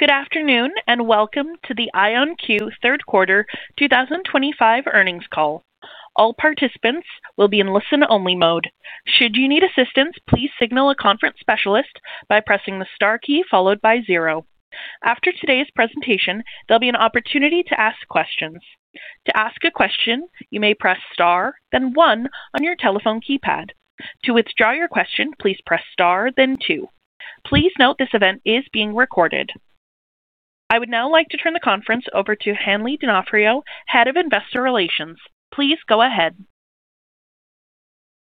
Good afternoon and welcome to the IonQ Q3 2025 earnings call. All participants will be in listen-only mode. Should you need assistance, please signal a conference specialist by pressing the star key followed by zero. After today's presentation, there'll be an opportunity to ask questions. To ask a question, you may press star, then one on your telephone keypad. To withdraw your question, please press star, then two. Please note this event is being recorded. I would now like to turn the conference over to Hanley Donofrio, Head of Investor Relations. Please go ahead.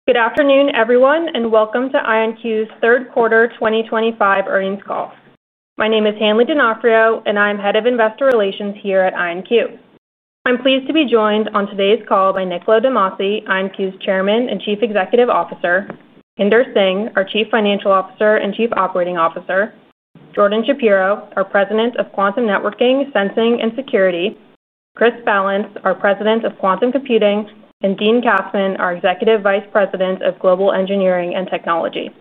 Good afternoon, everyone, and welcome to IonQ's Third Quarter 2025 Earnings Call. My name is Hanley Donofrio, and I'm Head of Investor Relations here at IonQ. I'm pleased to be joined on today's call by Niccolo De Masi, IonQ's Chairman and Chief Executive Officer; Inder Singh, our Chief Financial Officer and Chief Operating Officer; Jordan Shapiro, our President of Quantum Networking, Sensing, and Security; Chris Balance, our President of Quantum Computing; and Dean Kassmann, our Executive Vice President of Global Engineering and Technology.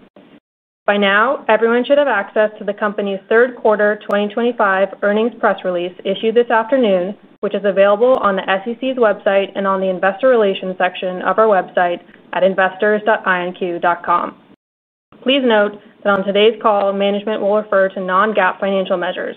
By now, everyone should have access to the company's third quarter 2025 earnings press release issued this afternoon, which is available on the SEC's website and on the Investor Relations section of our website at investors.ionq.com. Please note that on today's call, management will refer to non-GAAP financial measures.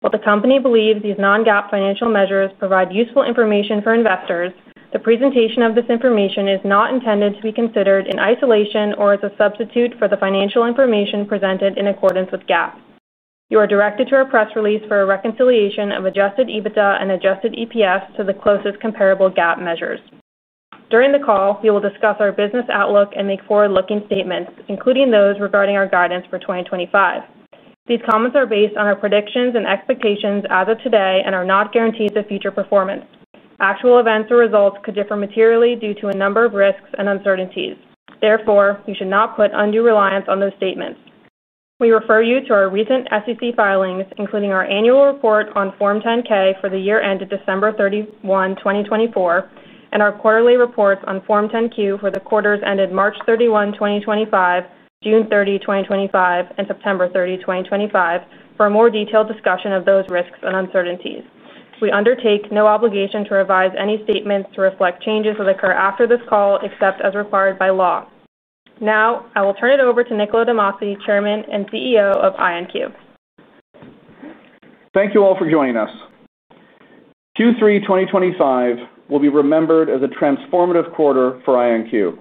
While the company believes these non-GAAP financial measures provide useful information for investors, the presentation of this information is not intended to be considered in isolation or as a substitute for the financial information presented in accordance with GAAP. You are directed to our press release for a reconciliation of Adjusted EBITDA and Adjusted EPS to the closest comparable GAAP measures. During the call, we will discuss our business outlook and make forward-looking statements, including those regarding our guidance for 2025. These comments are based on our predictions and expectations as of today and are not guaranteed the future performance. Actual events or results could differ materially due to a number of risks and uncertainties. Therefore, you should not put undue reliance on those statements. We refer you to our recent SEC filings, including our annual report on Form 10-K for the year ended December 31, 2024, and our quarterly reports on Form 10-Q for the quarters ended March 31, 2025, June 30, 2025, and September 30, 2025, for a more detailed discussion of those risks and uncertainties. We undertake no obligation to revise any statements to reflect changes that occur after this call, except as required by law. Now, I will turn it over to Niccolo De Masi, Chairman and CEO of IonQ. Thank you all for joining us. Q3 2025 will be remembered as a transformative quarter for IonQ.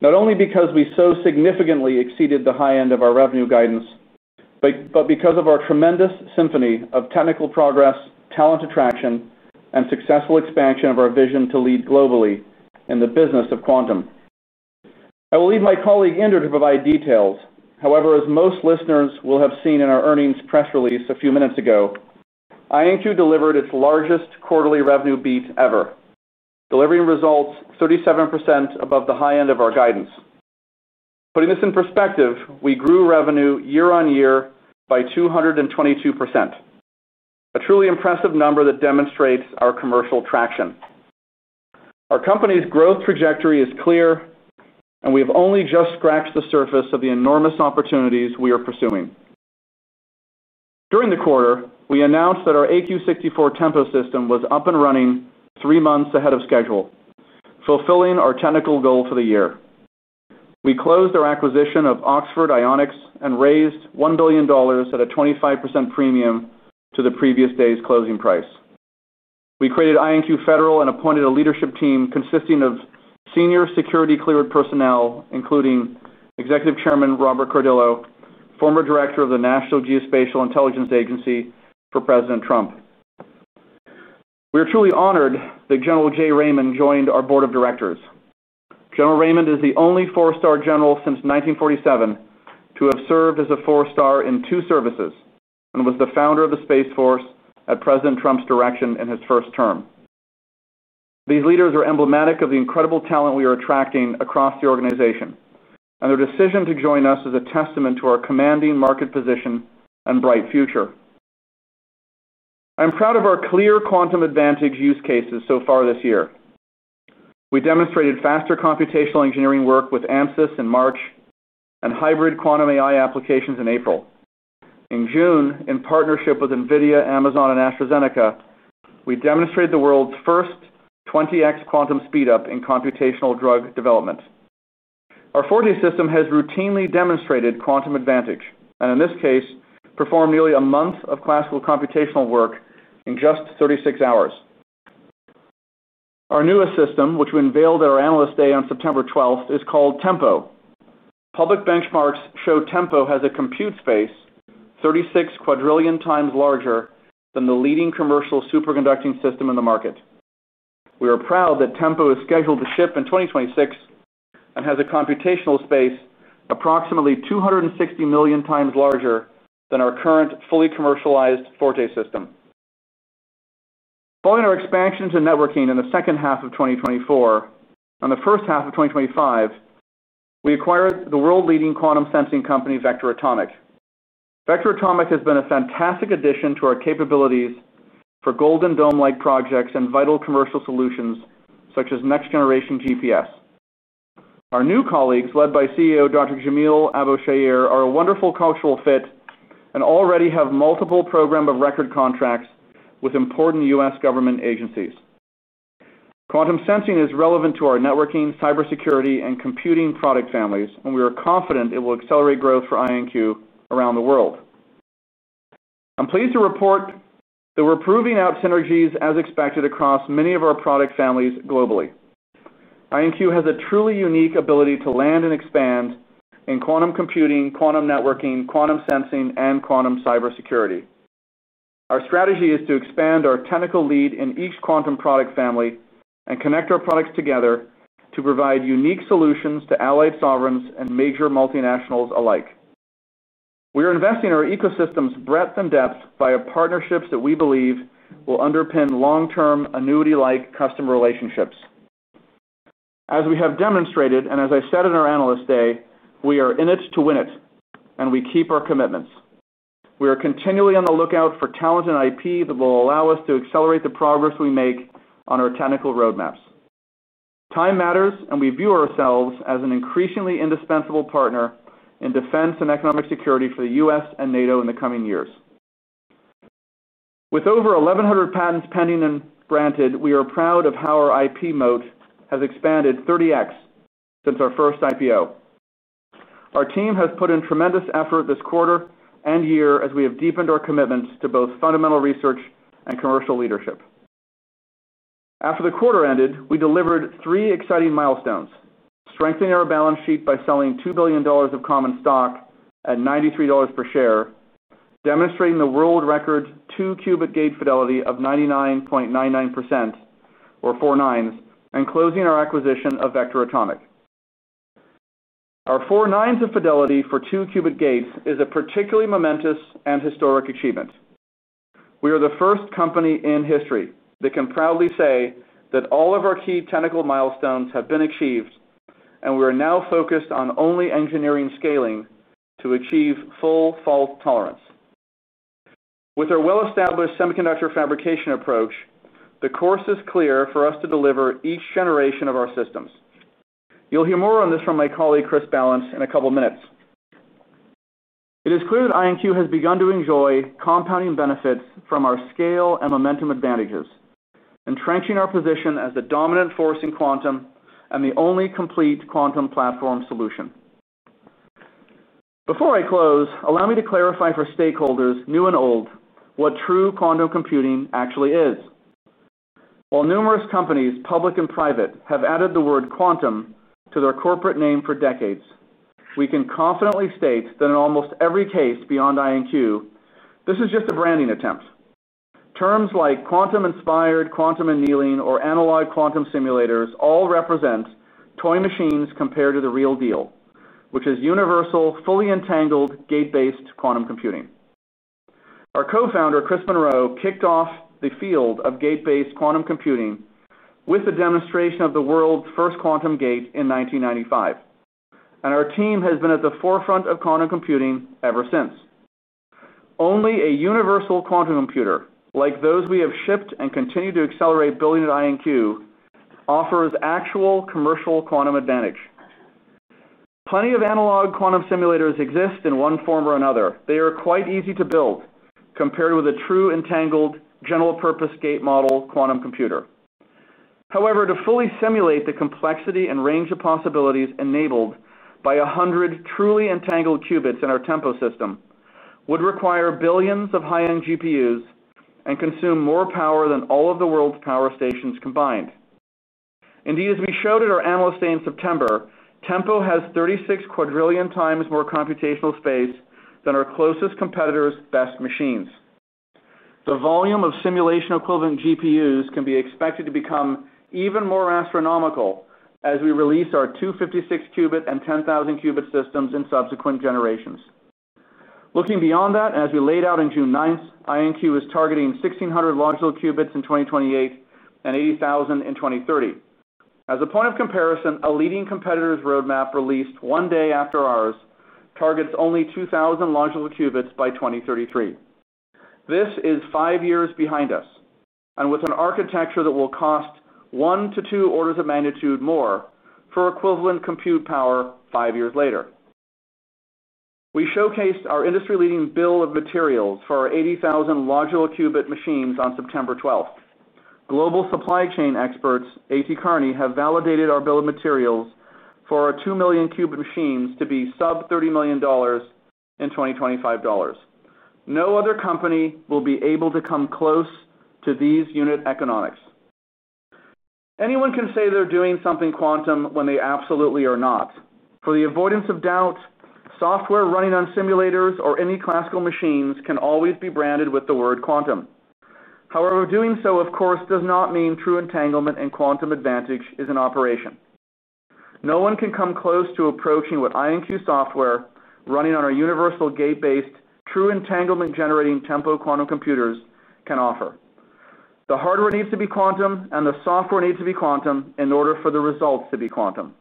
Not only because we so significantly exceeded the high end of our revenue guidance, but because of our tremendous symphony of technical progress, talent attraction, and successful expansion of our vision to lead globally in the business of quantum. I will leave my colleague Inder to provide details. However, as most listeners will have seen in our earnings press release a few minutes ago, IonQ delivered its largest quarterly revenue beat ever, delivering results 37% above the high end of our guidance. Putting this in perspective, we grew revenue year-on-year by 222%. A truly impressive number that demonstrates our commercial traction. Our company's growth trajectory is clear, and we have only just scratched the surface of the enormous opportunities we are pursuing. During the quarter, we announced that our AQ64 Tempo system was up and running three months ahead of schedule, fulfilling our technical goal for the year. We closed our acquisition of Oxford Ionics and raised $1 billion at a 25% premium to the previous day's closing price. We created IonQ Federal and appointed a leadership team consisting of senior security-cleared personnel, including Executive Chairman Robert Cardillo, former Director of the National Geospatial Intelligence Agency for President Trump. We are truly honored that General J. Raymond joined our Board of Directors. General Raymond is the only four-star general since 1947 to have served as a four-star in two services and was the founder of the Space Force at President Trump's direction in his first term. These leaders are emblematic of the incredible talent we are attracting across the organization, and their decision to join us is a testament to our commanding market position and bright future. I'm proud of our clear quantum advantage use cases so far this year. We demonstrated faster computational engineering work with AMSIS in March and hybrid quantum AI applications in April. In June, in partnership with NVIDIA, Amazon, and AstraZeneca, we demonstrated the world's first 20x quantum speedup in computational drug development. Our Forte System has routinely demonstrated quantum advantage and, in this case, performed nearly a month of classical computational work in just 36 hours. Our newest system, which we unveiled at our analyst day on September 12th, is called Tempo. Public benchmarks show Tempo has a compute space 36 quadrillion times larger than the leading commercial superconducting system in the market. We are proud that Tempo is scheduled to ship in 2026 and has a computational space approximately 260 million times larger than our current fully commercialized Forte System. Following our expansion to networking in the second half of 2024 and the first half of 2025, we acquired the world-leading quantum sensing company Vector Atomic. Vector Atomic has been a fantastic addition to our capabilities for golden dome-like projects and vital commercial solutions such as next-generation GPS. Our new colleagues, led by CEO Dr. Jamil Abochaier, are a wonderful cultural fit and already have multiple program of record contracts with important U.S. government agencies. Quantum sensing is relevant to our networking, cybersecurity, and computing product families, and we are confident it will accelerate growth for IonQ around the world. I'm pleased to report that we're proving out synergies as expected across many of our product families globally. IonQ has a truly unique ability to land and expand in quantum computing, quantum networking, quantum sensing, and quantum cybersecurity. Our strategy is to expand our technical lead in each quantum product family and connect our products together to provide unique solutions to allied sovereigns and major multinationals alike. We are investing in our ecosystem's breadth and depth via partnerships that we believe will underpin long-term annuity-like customer relationships. As we have demonstrated and as I said in our analyst day, we are in it to win it, and we keep our commitments. We are continually on the lookout for talent and IP that will allow us to accelerate the progress we make on our technical roadmaps. Time matters, and we view ourselves as an increasingly indispensable partner in defense and economic security for the U.S. and NATO in the coming years. With over 1,100 patents pending and granted, we are proud of how our IP moat has expanded 30x since our first IPO. Our team has put in tremendous effort this quarter and year as we have deepened our commitments to both fundamental research and commercial leadership. After the quarter ended, we delivered three exciting milestones: strengthening our balance sheet by selling $2 billion of common stock at $93 per share, demonstrating the world record two-qubit gate fidelity of 99.99%, or four nines, and closing our acquisition of Vector Atomic. Our four nines of fidelity for two-qubit gates is a particularly momentous and historic achievement. We are the first company in history that can proudly say that all of our key technical milestones have been achieved, and we are now focused on only engineering scaling to achieve full fault tolerance. With our well-established semiconductor fabrication approach, the course is clear for us to deliver each generation of our systems. You'll hear more on this from my colleague Chris Ballance in a couple of minutes. It is clear that IonQ has begun to enjoy compounding benefits from our scale and momentum advantages, entrenching our position as the dominant force in quantum and the only complete quantum platform solution. Before I close, allow me to clarify for stakeholders, new and old, what true quantum computing actually is. While numerous companies, public and private, have added the word quantum to their corporate name for decades, we can confidently state that in almost every case beyond IonQ, this is just a branding attempt. Terms like quantum-inspired, quantum annealing, or analog quantum simulators all represent toy machines compared to the real deal, which is universal, fully entangled, gate-based quantum computing. Our co-founder, Chris Monroe, kicked off the field of gate-based quantum computing with a demonstration of the world's first quantum gate in 1995. Our team has been at the forefront of quantum computing ever since. Only a universal quantum computer, like those we have shipped and continue to accelerate building at IonQ, offers actual commercial quantum advantage. Plenty of analog quantum simulators exist in one form or another. They are quite easy to build compared with a true entangled general-purpose gate model quantum computer. However, to fully simulate the complexity and range of possibilities enabled by 100 truly entangled qubits in our Tempo system would require billions of high-end GPUs and consume more power than all of the world's power stations combined. Indeed, as we showed at our analyst day in September, Tempo has 36 quadrillion times more computational space than our closest competitor's best machines. The volume of simulation-equivalent GPUs can be expected to become even more astronomical as we release our 256-qubit and 10,000-qubit systems in subsequent generations. Looking beyond that, as we laid out on June 9th, IonQ is targeting 1,600 logical qubits in 2028 and 80,000 in 2030. As a point of comparison, a leading competitor's roadmap released one day after ours targets only 2,000 logical qubits by 2033. This is five years behind us and with an architecture that will cost one to two orders of magnitude more for equivalent compute power five years later. We showcased our industry-leading bill of materials for our 80,000 logical qubit machines on September 12th. Global supply chain experts A.T. Kearney have validated our bill of materials for our 2 million qubit machines to be sub-$30 million. In 2025, no other company will be able to come close to these unit economics. Anyone can say they're doing something quantum when they absolutely are not. For the avoidance of doubt, software running on simulators or any classical machines can always be branded with the word quantum. However, doing so, of course, does not mean true entanglement and quantum advantage is in operation. No one can come close to approaching what IonQ software running on our universal gate-based true entanglement-generating Tempo quantum computers can offer. The hardware needs to be quantum, and the software needs to be quantum in order for the results to be quantum.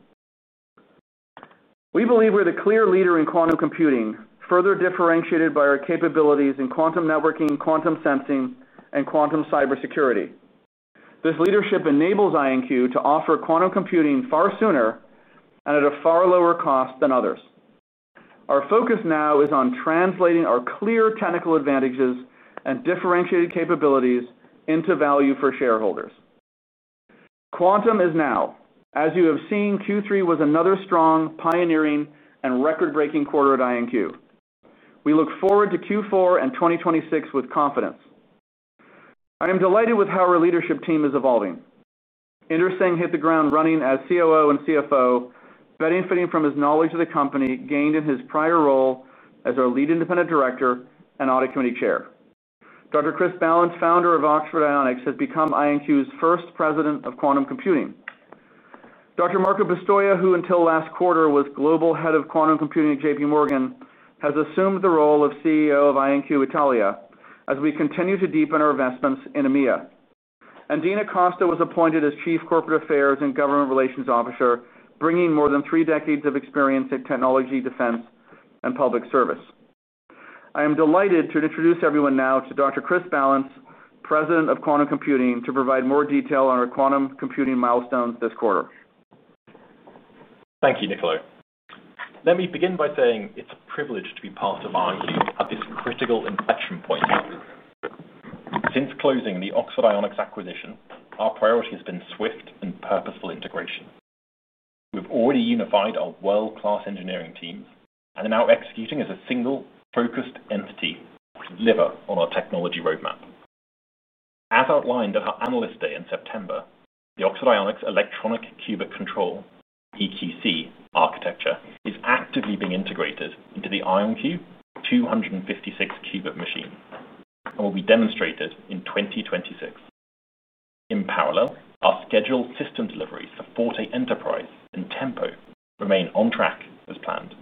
We believe we're the clear leader in quantum computing, further differentiated by our capabilities in quantum networking, quantum sensing, and quantum cybersecurity. This leadership enables IonQ to offer quantum computing far sooner and at a far lower cost than others. Our focus now is on translating our clear technical advantages and differentiated capabilities into value for shareholders. Quantum is now. As you have seen, Q3 was another strong, pioneering, and record-breaking quarter at IonQ. We look forward to Q4 and 2026 with confidence. I am delighted with how our leadership team is evolving. Inder is saying he hit the ground running as COO and CFO, benefiting from his knowledge of the company gained in his prior role as our lead independent director and audit committee chair. Dr. Chris Ballance, founder of Oxford Ionics, has become IonQ's first President of Quantum Computing. Dr. Marco Bastos, who until last quarter was global head of quantum computing at JPMorgan Chase, has assumed the role of CEO of IonQ Italia as we continue to deepen our investments in EMEA. Dina Costa was appointed as Chief Corporate Affairs and Government Relations Officer, bringing more than three decades of experience in technology, defense, and public service. I am delighted to introduce everyone now to Dr. Chris Ballance, President of Quantum Computing, to provide more detail on our quantum computing milestones this quarter. Thank you, Niccolo. Let me begin by saying it's a privilege to be part of IonQ at this critical inflection point. Since closing the Oxford Ionics acquisition, our priority has been swift and purposeful integration. We've already unified our world-class engineering teams and are now executing as a single focused entity to deliver on our technology roadmap. As outlined at our analyst day in September, the Oxford Ionics electronic qubit control, EQC, architecture is actively being integrated into the IonQ 256-qubit machine and will be demonstrated in 2026. In parallel, our scheduled system deliveries for Forte Enterprise and Tempo remain on track as planned.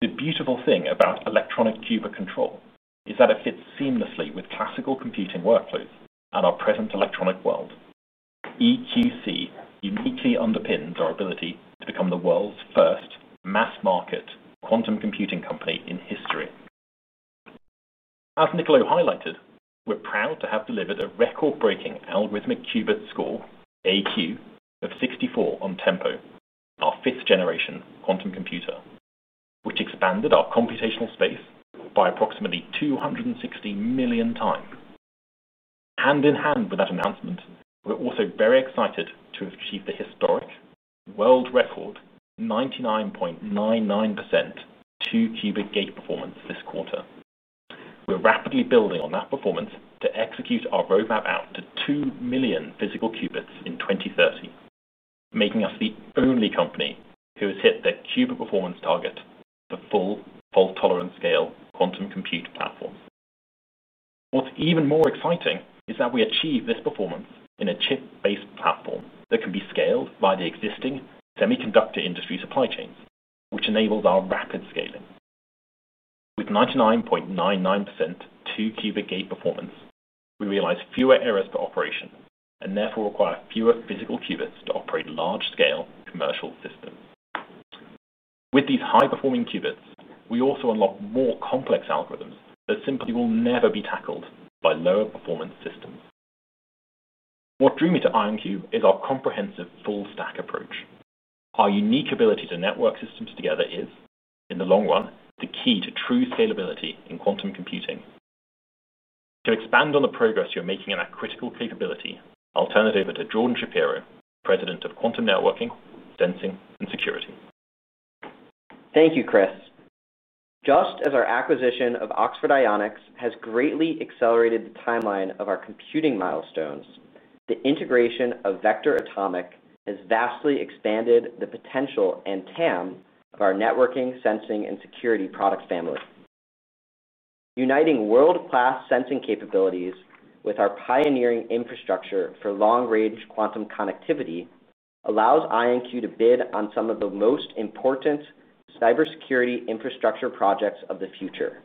The beautiful thing about electronic qubit control is that it fits seamlessly with classical computing workflows and our present electronic world. EQC uniquely underpins our ability to become the world's first mass-market quantum computing company in history. As Niccolo highlighted, we're proud to have delivered a record-breaking algorithmic qubit score, AQ, of 64 on Tempo, our fifth-generation quantum computer, which expanded our computational space by approximately 260 million times. Hand in hand with that announcement, we're also very excited to achieve the historic world record, 99.99% two-qubit gate performance this quarter. We're rapidly building on that performance to execute our roadmap out to 2 million physical qubits in 2030, making us the only company who has hit their qubit performance target for full fault tolerance scale quantum compute platforms. What's even more exciting is that we achieve this performance in a chip-based platform that can be scaled by the existing semiconductor industry supply chains, which enables our rapid scaling. With 99.99% two-qubit gate performance, we realize fewer errors per operation and therefore require fewer physical qubits to operate large-scale commercial systems. With these high-performing qubits, we also unlock more complex algorithms that simply will never be tackled by lower-performance systems. What drew me to IonQ is our comprehensive full-stack approach. Our unique ability to network systems together is, in the long run, the key to true scalability in quantum computing. To expand on the progress you're making in that critical capability, I'll turn it over to Jordan Shapiro, President of Quantum Networking, Sensing, and Security. Thank you, Chris. Just as our acquisition of Oxford Ionics has greatly accelerated the timeline of our computing milestones, the integration of Vector Atomic has vastly expanded the potential and TAM of our networking, sensing, and security product family. Uniting world-class sensing capabilities with our pioneering infrastructure for long-range quantum connectivity allows IonQ to bid on some of the most important cybersecurity infrastructure projects of the future.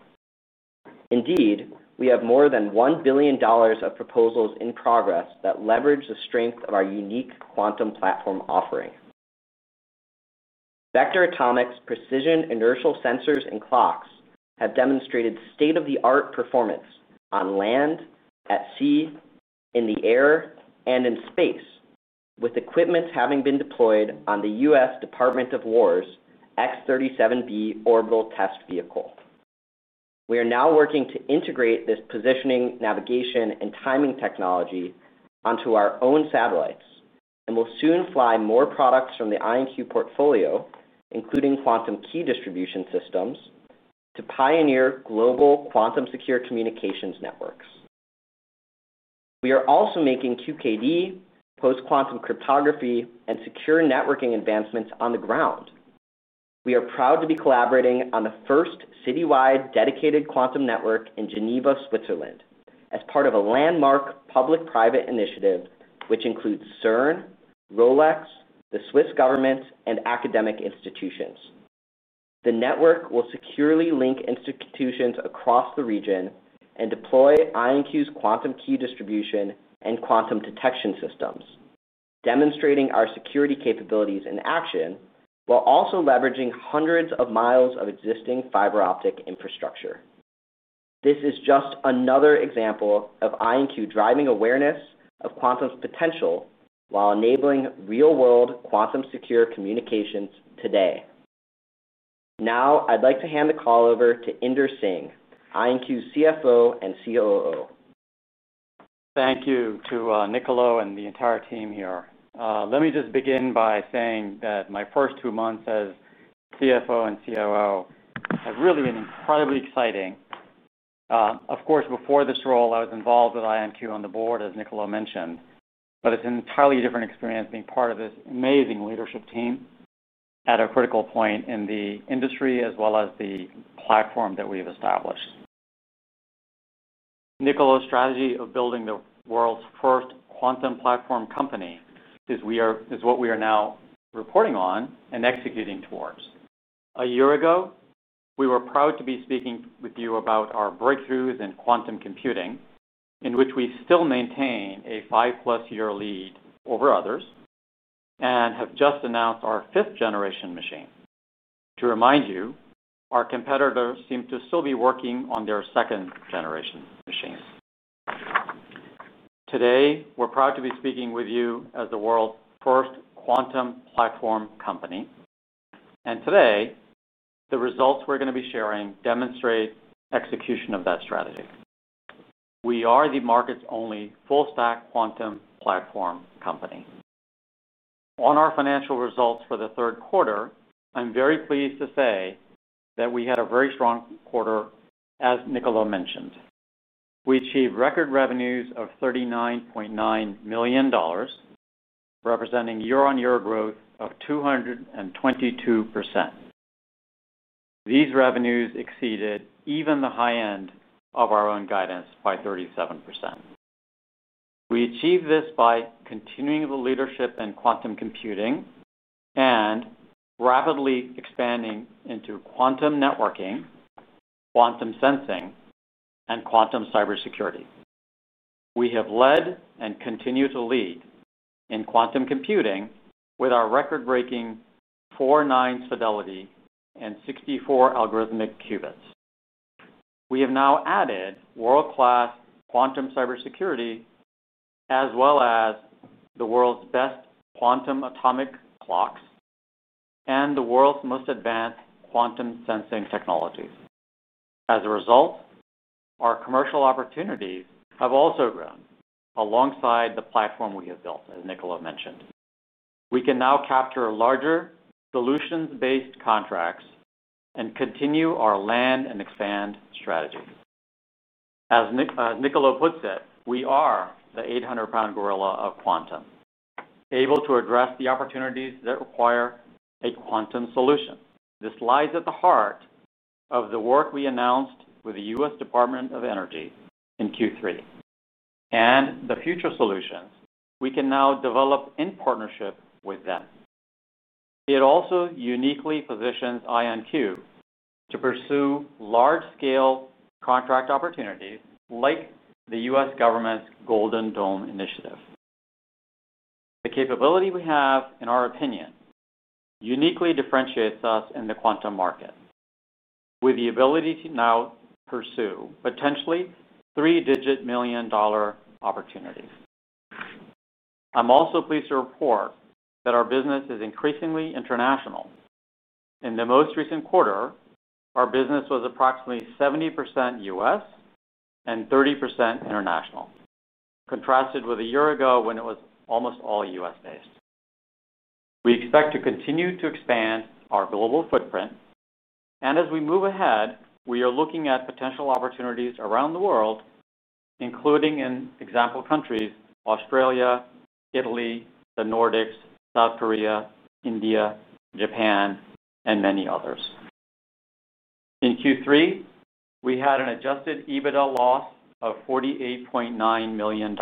Indeed, we have more than $1 billion of proposals in progress that leverage the strength of our unique quantum platform offering. Vector Atomic's precision inertial sensors and clocks have demonstrated state-of-the-art performance on land, at sea, in the air, and in space, with equipment having been deployed on the U.S. Department of War's X-37B orbital test vehicle. We are now working to integrate this positioning, navigation, and timing technology onto our own satellites and will soon fly more products from the IonQ portfolio, including quantum key distribution systems, to pioneer global quantum-secure communications networks. We are also making QKD, post-quantum cryptography, and secure networking advancements on the ground. We are proud to be collaborating on the first citywide dedicated quantum network in Geneva, Switzerland, as part of a landmark public-private initiative which includes CERN, Rolex, the Swiss government, and academic institutions. The network will securely link institutions across the region and deploy IonQ's quantum key distribution and quantum detection systems, demonstrating our security capabilities in action while also leveraging hundreds of miles of existing fiber optic infrastructure. This is just another example of IonQ driving awareness of quantum's potential while enabling real-world quantum-secure communications today. Now, I'd like to hand the call over to Inder Singh, IonQ's CFO and COO. Thank you to Niccolo and the entire team here. Let me just begin by saying that my first two months as CFO and COO have really been incredibly exciting. Of course, before this role, I was involved with IonQ on the board, as Niccolo mentioned, but it's an entirely different experience being part of this amazing leadership team at a critical point in the industry as well as the platform that we've established. Niccolo's strategy of building the world's first quantum platform company is what we are now reporting on and executing towards. A year ago, we were proud to be speaking with you about our breakthroughs in quantum computing, in which we still maintain a five-plus-year lead over others. We have just announced our fifth-generation machine. To remind you, our competitors seem to still be working on their second-generation machines. Today, we're proud to be speaking with you as the world's first quantum platform company. The results we're going to be sharing demonstrate execution of that strategy. We are the market's only full-stack quantum platform company. On our financial results for the third quarter, I'm very pleased to say that we had a very strong quarter, as Niccolo mentioned. We achieved record revenues of $39.9 million, representing year-on-year growth of 222%. These revenues exceeded even the high end of our own guidance by 37%. We achieved this by continuing the leadership in quantum computing and rapidly expanding into quantum networking, quantum sensing, and quantum cybersecurity. We have led and continue to lead in quantum computing with our record-breaking four nines fidelity and 64 algorithmic qubits. We have now added world-class quantum cybersecurity as well as the world's best quantum atomic clocks and the world's most advanced quantum sensing technologies. As a result, our commercial opportunities have also grown alongside the platform we have built, as Niccolo mentioned. We can now capture larger solutions-based contracts and continue our land and expand strategy. As Niccolo puts it, we are the 800-pound gorilla of quantum, able to address the opportunities that require a quantum solution. This lies at the heart of the work we announced with the U.S. Department of Energy in Q3. The future solutions we can now develop in partnership with them. It also uniquely positions IonQ to pursue large-scale contract opportunities like the U.S. government's Golden Dome initiative. The capability we have, in our opinion, uniquely differentiates us in the quantum market. With the ability to now pursue potentially three-digit million-dollar opportunities. I'm also pleased to report that our business is increasingly international. In the most recent quarter, our business was approximately 70% U.S. and 30% international. Contrasted with a year ago when it was almost all U.S.-based. We expect to continue to expand our global footprint. As we move ahead, we are looking at potential opportunities around the world, including in example countries, Australia, Italy, the Nordics, South Korea, India, Japan, and many others. In Q3, we had an Adjusted EBITDA loss of $48.9 million.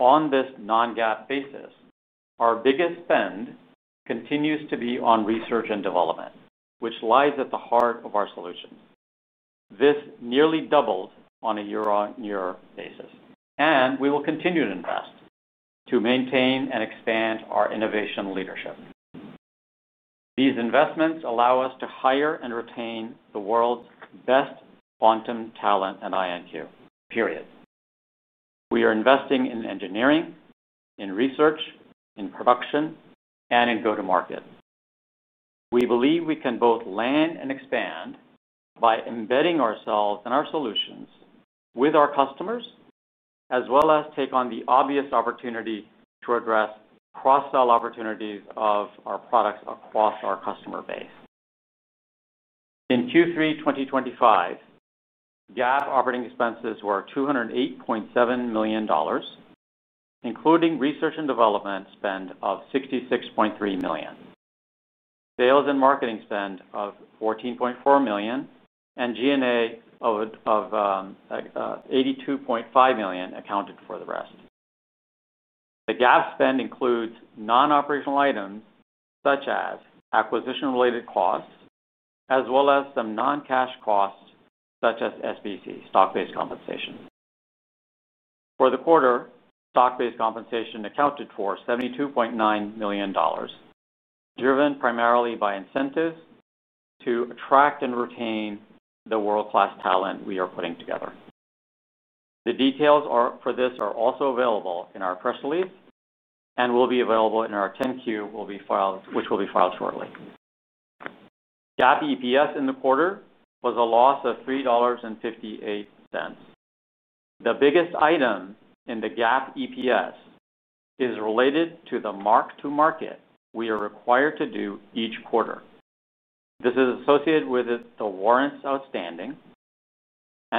On this non-GAAP basis, our biggest spend continues to be on research and development, which lies at the heart of our solutions. This nearly doubled on a year-on-year basis. We will continue to invest to maintain and expand our innovation leadership. These investments allow us to hire and retain the world's best quantum talent at IonQ. We are investing in engineering, in research, in production, and in go-to-market. We believe we can both land and expand by embedding ourselves and our solutions with our customers as well as take on the obvious opportunity to address cross-sell opportunities of our products across our customer base. In Q3 2025. GAAP operating expenses were $208.7 million, including research and development spend of $66.3 million, sales and marketing spend of $14.4 million, and G&A of $82.5 million accounted for the rest. The GAAP spend includes non-operational items such as acquisition-related costs as well as some non-cash costs such as SBC, stock-based compensation. For the quarter, stock-based compensation accounted for $72.9 million, driven primarily by incentives to attract and retain the world-class talent we are putting together. The details for this are also available in our press release and will be available in our IonQ, which will be filed shortly. GAAP EPS in the quarter was a loss of $3.58. The biggest item in the GAAP EPS is related to the mark-to-market we are required to do each quarter. This is associated with the warrants outstanding.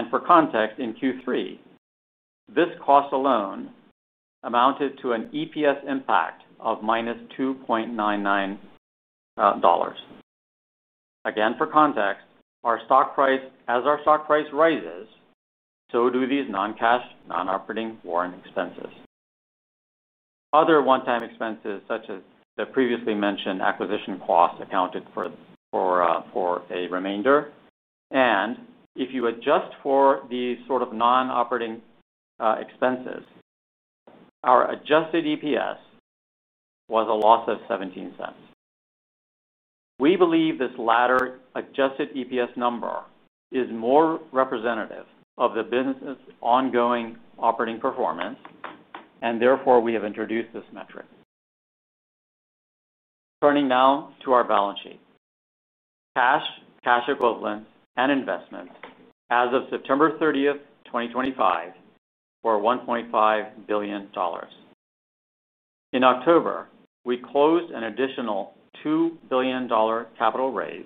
For context, in Q3, this cost alone amounted to an EPS impact of -$2.99. Again, for context, as our stock price rises, so do these non-cash non-operating warrant expenses. Other one-time expenses, such as the previously mentioned acquisition costs, accounted for a remainder. If you adjust for these sort of non-operating expenses, our Adjusted EPS was a loss of 17 cents. We believe this latter Adjusted EPS number is more representative of the business's ongoing operating performance, and therefore we have introduced this metric. Turning now to our balance sheet. Cash, cash equivalents, and investments as of September 30, 2025, were $1.5 billion. In October, we closed an additional $2 billion capital raise,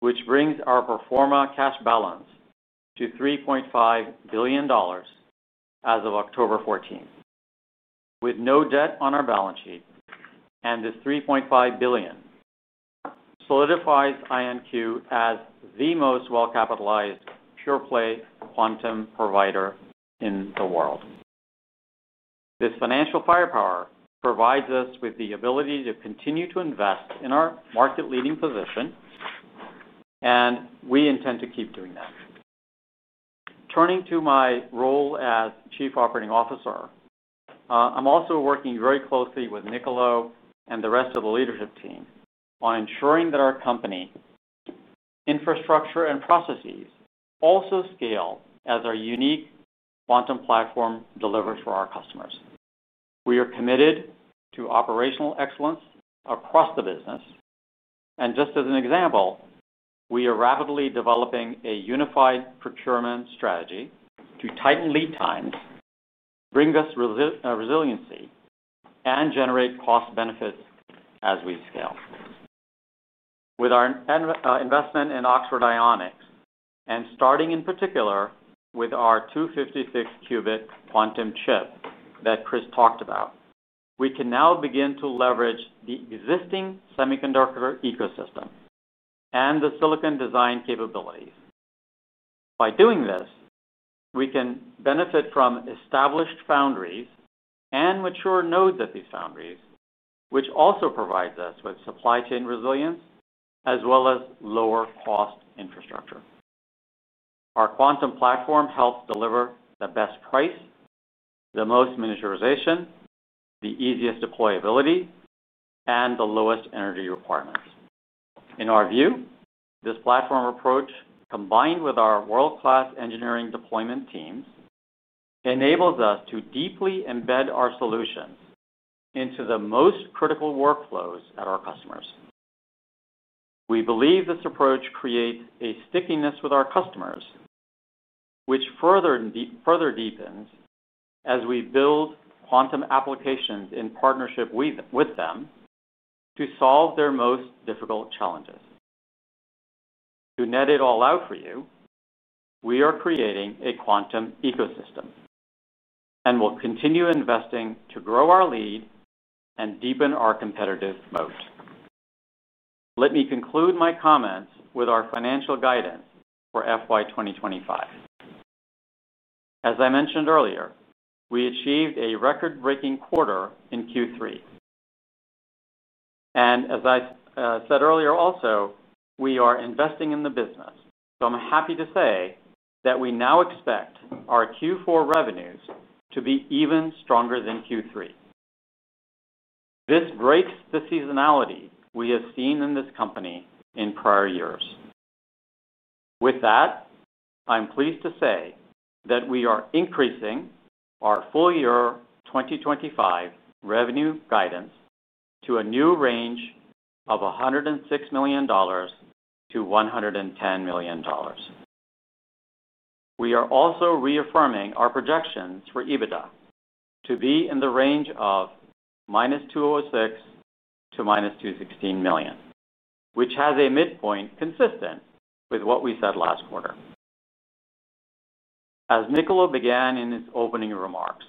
which brings our pro forma cash balance to $3.5 billion as of October 14. With no debt on our balance sheet, this $3.5 billion solidifies IonQ as the most well-capitalized pure-play quantum provider in the world. This financial firepower provides us with the ability to continue to invest in our market-leading position. We intend to keep doing that. Turning to my role as Chief Operating Officer. I'm also working very closely with Niccolo and the rest of the leadership team on ensuring that our company infrastructure and processes also scale as our unique quantum platform delivers for our customers. We are committed to operational excellence across the business. Just as an example, we are rapidly developing a unified procurement strategy to tighten lead times, bring us resiliency, and generate cost benefits as we scale. With our investment in Oxford Ionics, and starting in particular with our 256-qubit quantum chip that Chris talked about, we can now begin to leverage the existing semiconductor ecosystem and the silicon design capabilities. By doing this, we can benefit from established foundries and mature nodes at these foundries, which also provides us with supply chain resilience as well as lower-cost infrastructure. Our quantum platform helps deliver the best price, the most miniaturization, the easiest deployability, and the lowest energy requirements. In our view, this platform approach, combined with our world-class engineering deployment teams, enables us to deeply embed our solutions into the most critical workflows at our customers. We believe this approach creates a stickiness with our customers, which further deepens as we build quantum applications in partnership with them to solve their most difficult challenges. To net it all out for you, we are creating a quantum ecosystem, and we'll continue investing to grow our lead and deepen our competitive moat. Let me conclude my comments with our financial guidance for FY 2025. As I mentioned earlier, we achieved a record-breaking quarter in Q3. As I said earlier also, we are investing in the business. I am happy to say that we now expect our Q4 revenues to be even stronger than Q3. This breaks the seasonality we have seen in this company in prior years. With that, I am pleased to say that we are increasing our full year 2025 revenue guidance to a new range of $106 million-$110 million. We are also reaffirming our projections for EBITDA to be in the range of -$206 million to -$216 million, which has a midpoint consistent with what we said last quarter. As Niccolo began in his opening remarks,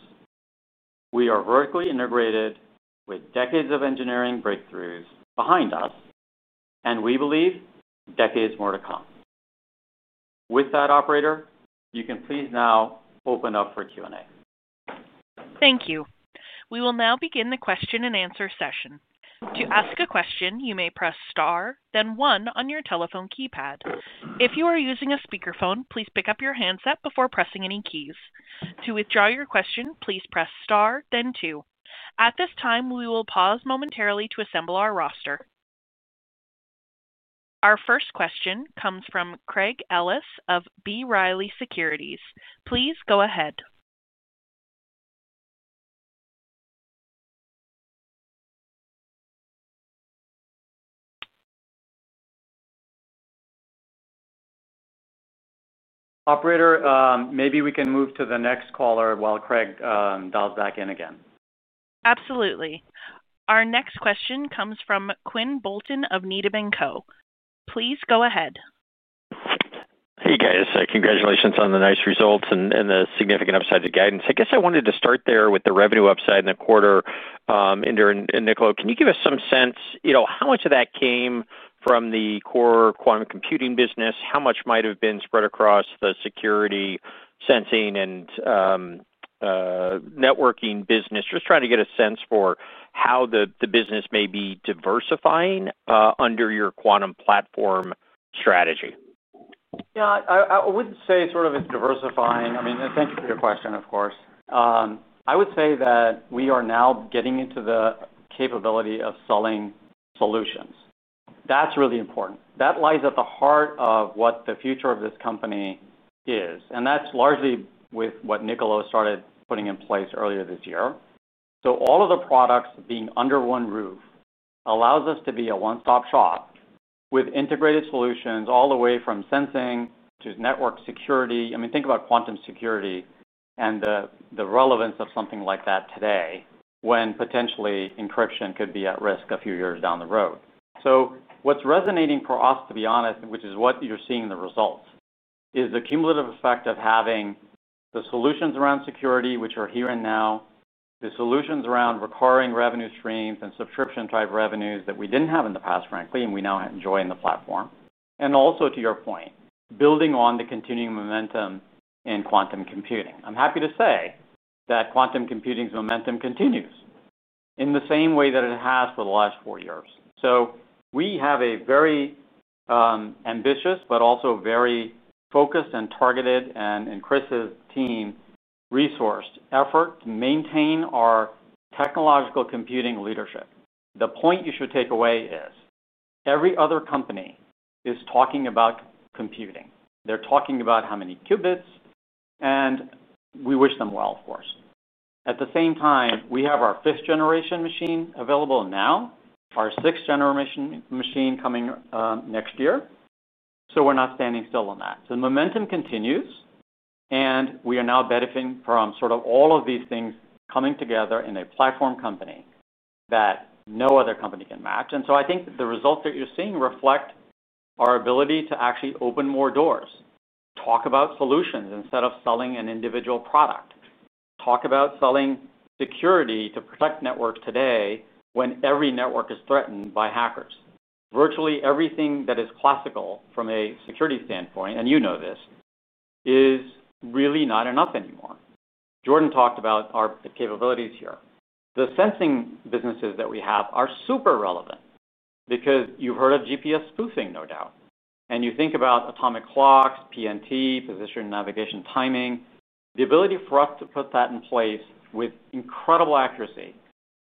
we are vertically integrated with decades of engineering breakthroughs behind us, and we believe decades more to come. With that, operator, you can please now open up for Q&A. Thank you. We will now begin the question-and-answer session. To ask a question, you may press star, then one on your telephone keypad. If you are using a speakerphone, please pick up your handset before pressing any keys. To withdraw your question, please press star, then two. At this time, we will pause momentarily to assemble our roster. Our first question comes from Craig Ellis of B. Riley Securities. Please go ahead. Operator, maybe we can move to the next caller while Craig dials back in again. Absolutely. Our next question comes from Quinn Bolton of Needham & Co. Please go ahead. Hey, guys. Congratulations on the nice results and the significant upside to guidance. I guess I wanted to start there with the revenue upside in the quarter. Niccolo, can you give us some sense how much of that came from the core quantum computing business? How much might have been spread across the security sensing and networking business? Just trying to get a sense for how the business may be diversifying under your quantum platform strategy. Yeah. I would not say sort of it's diversifying. I mean, thank you for your question, of course. I would say that we are now getting into the capability of selling solutions. That's really important. That lies at the heart of what the future of this company is, and that's largely with what Niccolo started putting in place earlier this year. All of the products being under one roof allows us to be a one-stop shop with integrated solutions all the way from sensing to network security. I mean, think about quantum security and the relevance of something like that today when potentially encryption could be at risk a few years down the road. What's resonating for us, to be honest, which is what you're seeing in the results, is the cumulative effect of having the solutions around security, which are here and now, the solutions around recurring revenue streams and subscription-type revenues that we didn't have in the past, frankly, and we now enjoy in the platform. Also, to your point, building on the continuing momentum in quantum computing. I'm happy to say that quantum computing's momentum continues in the same way that it has for the last four years. We have a very ambitious but also very focused and targeted, and Chris's team resourced effort to maintain our technological computing leadership. The point you should take away is every other company is talking about computing. They're talking about how many qubits, and we wish them well, of course. At the same time, we have our 5th-generation machine available now, our 6th-generation machine coming next year. We're not standing still on that. The momentum continues. We are now benefiting from sort of all of these things coming together in a platform company that no other company can match. I think the results that you're seeing reflect our ability to actually open more doors, talk about solutions instead of selling an individual product, talk about selling security to protect networks today when every network is threatened by hackers. Virtually everything that is classical from a security standpoint, and you know this, is really not enough anymore. Jordan talked about our capabilities here. The sensing businesses that we have are super relevant because you've heard of GPS spoofing, no doubt. You think about atomic clocks, PNT, position navigation timing. The ability for us to put that in place with incredible accuracy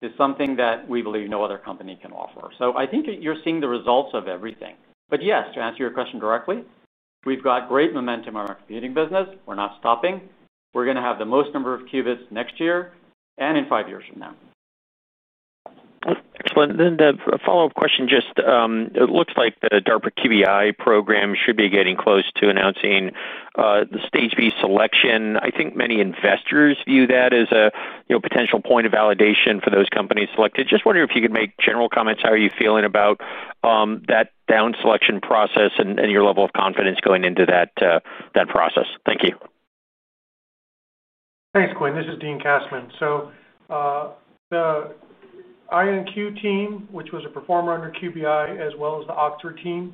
is something that we believe no other company can offer. I think you're seeing the results of everything. Yes, to answer your question directly, we've got great momentum in our computing business. We're not stopping. We're going to have the most number of qubits next year and in five years from now. Excellent. A follow-up question. It looks like the DARPA QBI program should be getting close to announcing the stage B selection. I think many investors view that as a potential point of validation for those companies selected. Just wondering if you could make general comments, how are you feeling about that down selection process and your level of confidence going into that process. Thank you. Thanks, Quinn. This is Dean Kassmann. The IonQ team, which was a performer under QBI, as well as the Oxford team,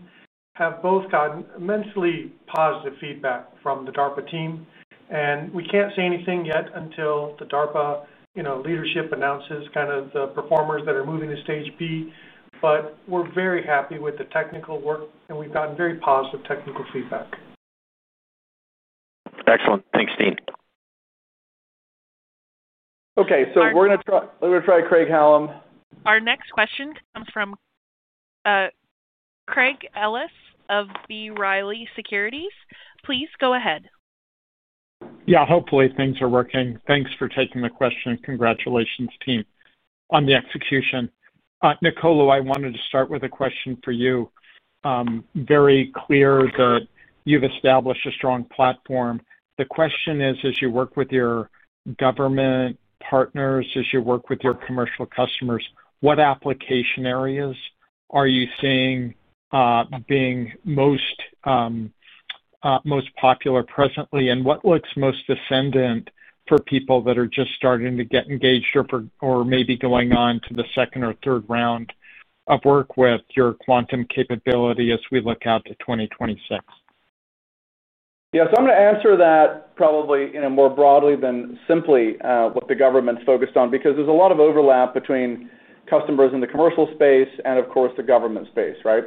have both gotten immensely positive feedback from the DARPA team. We cannot say anything yet until the DARPA leadership announces kind of the performers that are moving to stage B. We are very happy with the technical work, and we have gotten very positive technical feedback. Excellent. Thanks, Dean. Okay. We are going to try Craig Hallam. Our next question comes from Craig Ellis of B. Riley Securities. Please go ahead. Yeah. Hopefully, things are working. Thanks for taking the question. Congratulations, team, on the execution. Niccolo, I wanted to start with a question for you. Very clear that you have established a strong platform. The question is, as you work with your government partners, as you work with your commercial customers, what application areas are you seeing being most. Popular presently, and what looks most ascendant for people that are just starting to get engaged or maybe going on to the second or third round of work with your quantum capability as we look out to 2026? Yeah. I'm going to answer that probably more broadly than simply what the government's focused on because there's a lot of overlap between customers in the commercial space and, of course, the government space, right?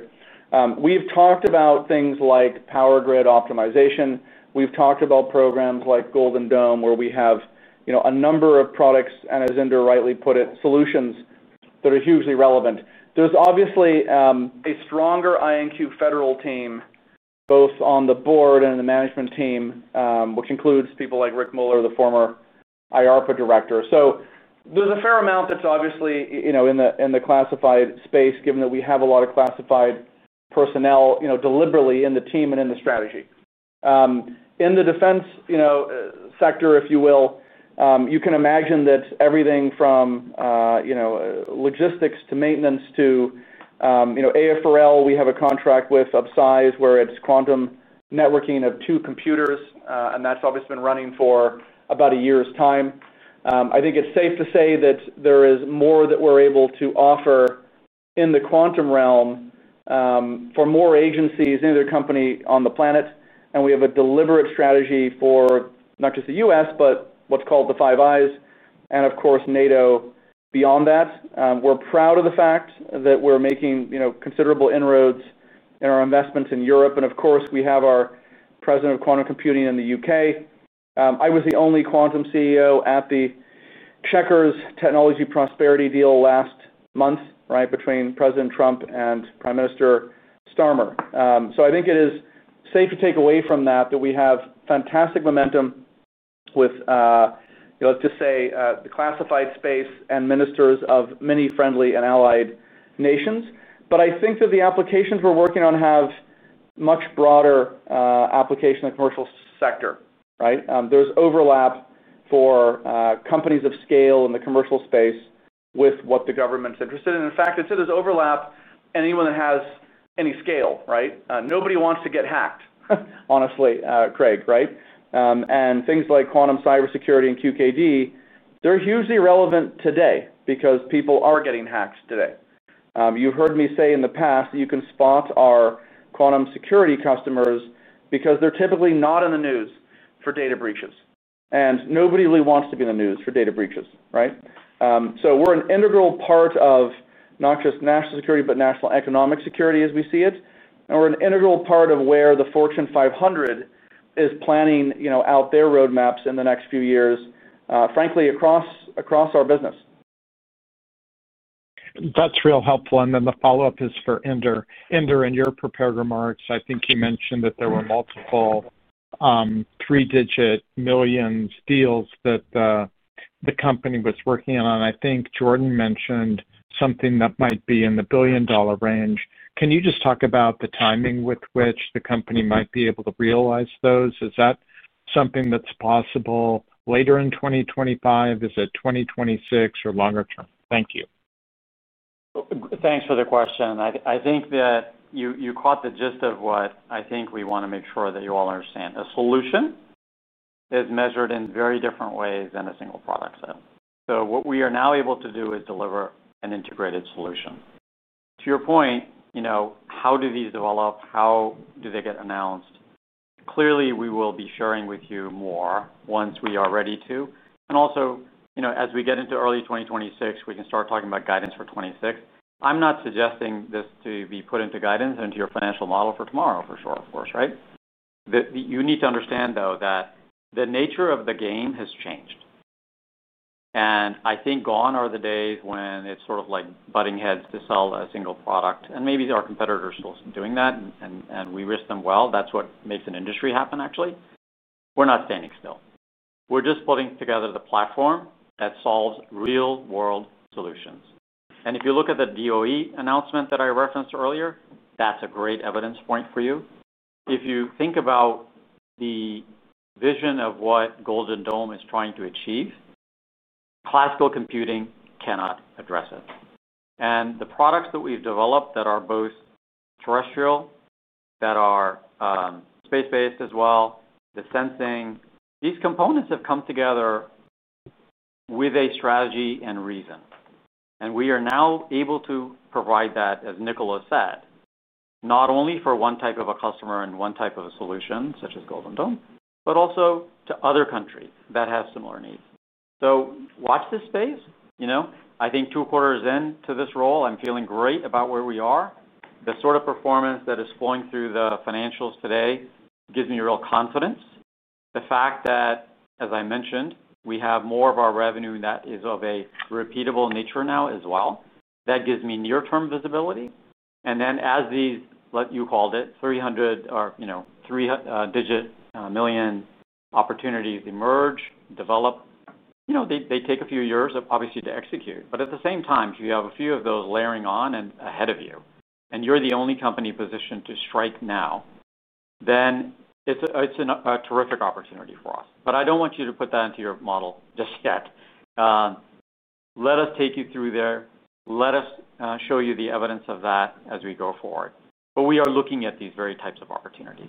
We've talked about things like power grid optimization. We've talked about programs like Golden Dome where we have a number of products and, as Inder rightly put it, solutions that are hugely relevant. There's obviously a stronger IonQ Federal team, both on the board and in the management team, which includes people like Rick Mueller, the former IARPA Director. There's a fair amount that's obviously in the classified space, given that we have a lot of classified personnel deliberately in the team and in the strategy. In the defense sector, if you will, you can imagine that everything from logistics to maintenance to AFRL, we have a contract with Upsize where it's quantum networking of two computers, and that's obviously been running for about a year's time. I think it's safe to say that there is more that we're able to offer in the quantum realm for more agencies than any other company on the planet. We have a deliberate strategy for not just the U.S., but what's called the Five Eyes and, of course, NATO beyond that. We're proud of the fact that we're making considerable inroads in our investments in Europe. Of course, we have our President of Quantum Computing in the U.K. I was the only quantum CEO at the Checkers Technology Prosperity deal last month, right, between President Trump and Prime Minister Starmer. I think it is safe to take away from that that we have fantastic momentum with, let's just say, the classified space and ministers of many friendly and allied nations. I think that the applications we're working on have much broader application in the commercial sector, right? There's overlap for companies of scale in the commercial space with what the government's interested in. In fact, it's at this overlap anyone that has any scale, right? Nobody wants to get hacked, honestly, Craig, right? Things like quantum cybersecurity and QKD, they're hugely relevant today because people are getting hacked today. You've heard me say in the past that you can spot our quantum security customers because they're typically not in the news for data breaches. Nobody really wants to be in the news for data breaches, right? We are an integral part of not just national security, but national economic security as we see it. We are an integral part of where the Fortune 500 is planning out their roadmaps in the next few years, frankly, across our business. That is real helpful. The follow-up is for Inder. Inder, in your prepared remarks, I think you mentioned that there were multiple three-digit millions deals that the company was working on. I think Jordan mentioned something that might be in the billion-dollar range. Can you just talk about the timing with which the company might be able to realize those? Is that something that is possible later in 2025? Is it 2026 or longer term? Thank you. Thanks for the question. I think that you caught the gist of what I think we want to make sure that you all understand. A solution is measured in very different ways than a single product sale. What we are now able to do is deliver an integrated solution. To your point, how do these develop? How do they get announced? Clearly, we will be sharing with you more once we are ready to. Also, as we get into early 2026, we can start talking about guidance for 2026. I'm not suggesting this to be put into guidance and into your financial model for tomorrow, for sure, of course, right? You need to understand, though, that the nature of the game has changed. I think gone are the days when it's sort of like butting heads to sell a single product. Maybe our competitors are still doing that, and we wish them well. That is what makes an industry happen, actually. We are not standing still. We are just putting together the platform that solves real-world solutions. If you look at the DOE announcement that I referenced earlier, that is a great evidence point for you. If you think about the vision of what Golden Dome is trying to achieve, classical computing cannot address it. The products that we have developed that are both terrestrial and space-based, the sensing, these components have come together with a strategy and reason. We are now able to provide that, as Niccolo said, not only for one type of a customer and one type of a solution such as Golden Dome, but also to other countries that have similar needs. Watch this space. I think two quarters into this role, I'm feeling great about where we are. The sort of performance that is flowing through the financials today gives me real confidence. The fact that, as I mentioned, we have more of our revenue that is of a repeatable nature now as well, that gives me near-term visibility. As these, what you called it, 300 or three-digit million opportunities emerge, develop. They take a few years, obviously, to execute. At the same time, if you have a few of those layering on and ahead of you, and you're the only company positioned to strike now, it's a terrific opportunity for us. I don't want you to put that into your model just yet. Let us take you through there. Let us show you the evidence of that as we go forward. But we are looking at these very types of opportunities.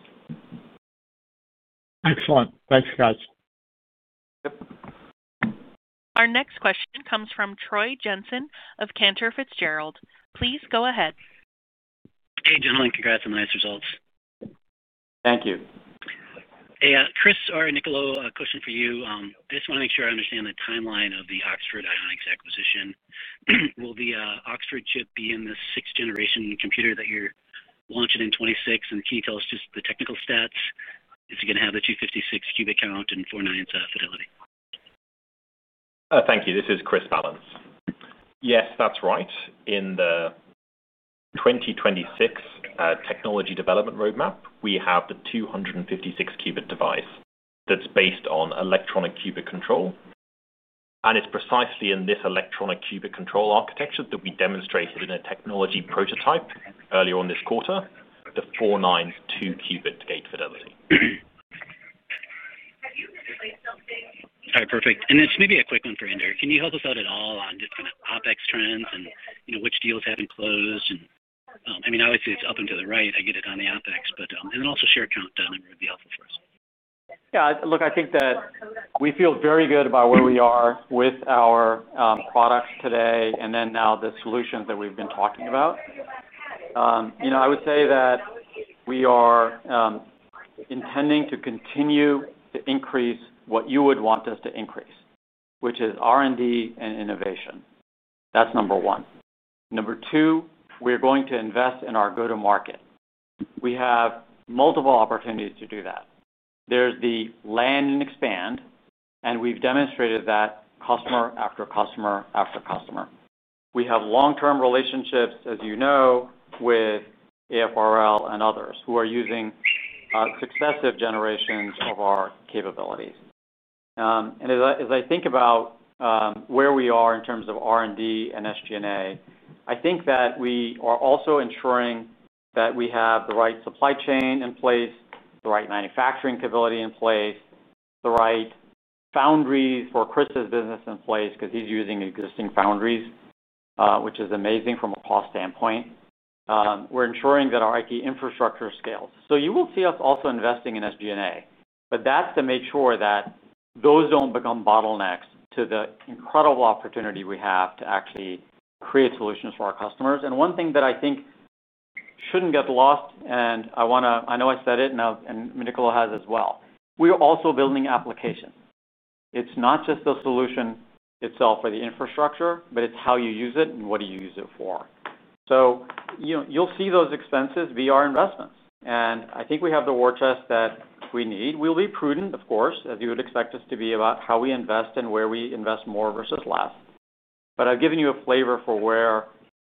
Excellent. Thanks, guys. Our next question comes from Troy Jensen of Cantor Fitzgerald. Please go ahead. Hey, gentlemen. Congrats on the nice results. Thank you. Hey, Chris or Niccolo, a question for you. I just want to make sure I understand the timeline of the Oxford Ionics acquisition. Will the Oxford chip be in the sixth-generation computer that you're launching in 2026? And can you tell us just the technical stats? Is it going to have the 256 qubit count and 497 fidelity? Thank you. This is Chris Ballance. Yes, that's right. In the 2026 technology development roadmap, we have the 256 qubit device that's based on electronic qubit control. And it's precisely in this electronic qubit control architecture that we demonstrated in a technology prototype earlier on this quarter, the 492 qubit gate fidelity. All right. Perfect. Maybe a quick one for Inder. Can you help us out at all on just kind of OpEx trends and which deals have been closed? I mean, obviously, it's up and to the right. I get it on the OpEx, but then also share count number would be helpful for us. Yeah. Look, I think that we feel very good about where we are with our products today and then now the solutions that we've been talking about. I would say that we are intending to continue to increase what you would want us to increase, which is R&D and innovation. That's number one. Number two, we're going to invest in our go-to-market. We have multiple opportunities to do that. There's the land and expand, and we've demonstrated that customer after customer after customer. We have long-term relationships, as you know, with. AFRL and others who are using successive generations of our capabilities. As I think about where we are in terms of R&D and SG&A, I think that we are also ensuring that we have the right supply chain in place, the right manufacturing capability in place, the right foundries for Chris's business in place because he's using existing foundries, which is amazing from a cost standpoint. We are ensuring that our IT infrastructure scales. You will see us also investing in SG&A, but that is to make sure that those do not become bottlenecks to the incredible opportunity we have to actually create solutions for our customers. One thing that I think should not get lost, and I know I said it, and Niccolo has as well, we are also building applications. It's not just the solution itself for the infrastructure, but it's how you use it and what do you use it for. You'll see those expenses be our investments. I think we have the war chest that we need. We'll be prudent, of course, as you would expect us to be about how we invest and where we invest more versus less. I've given you a flavor for where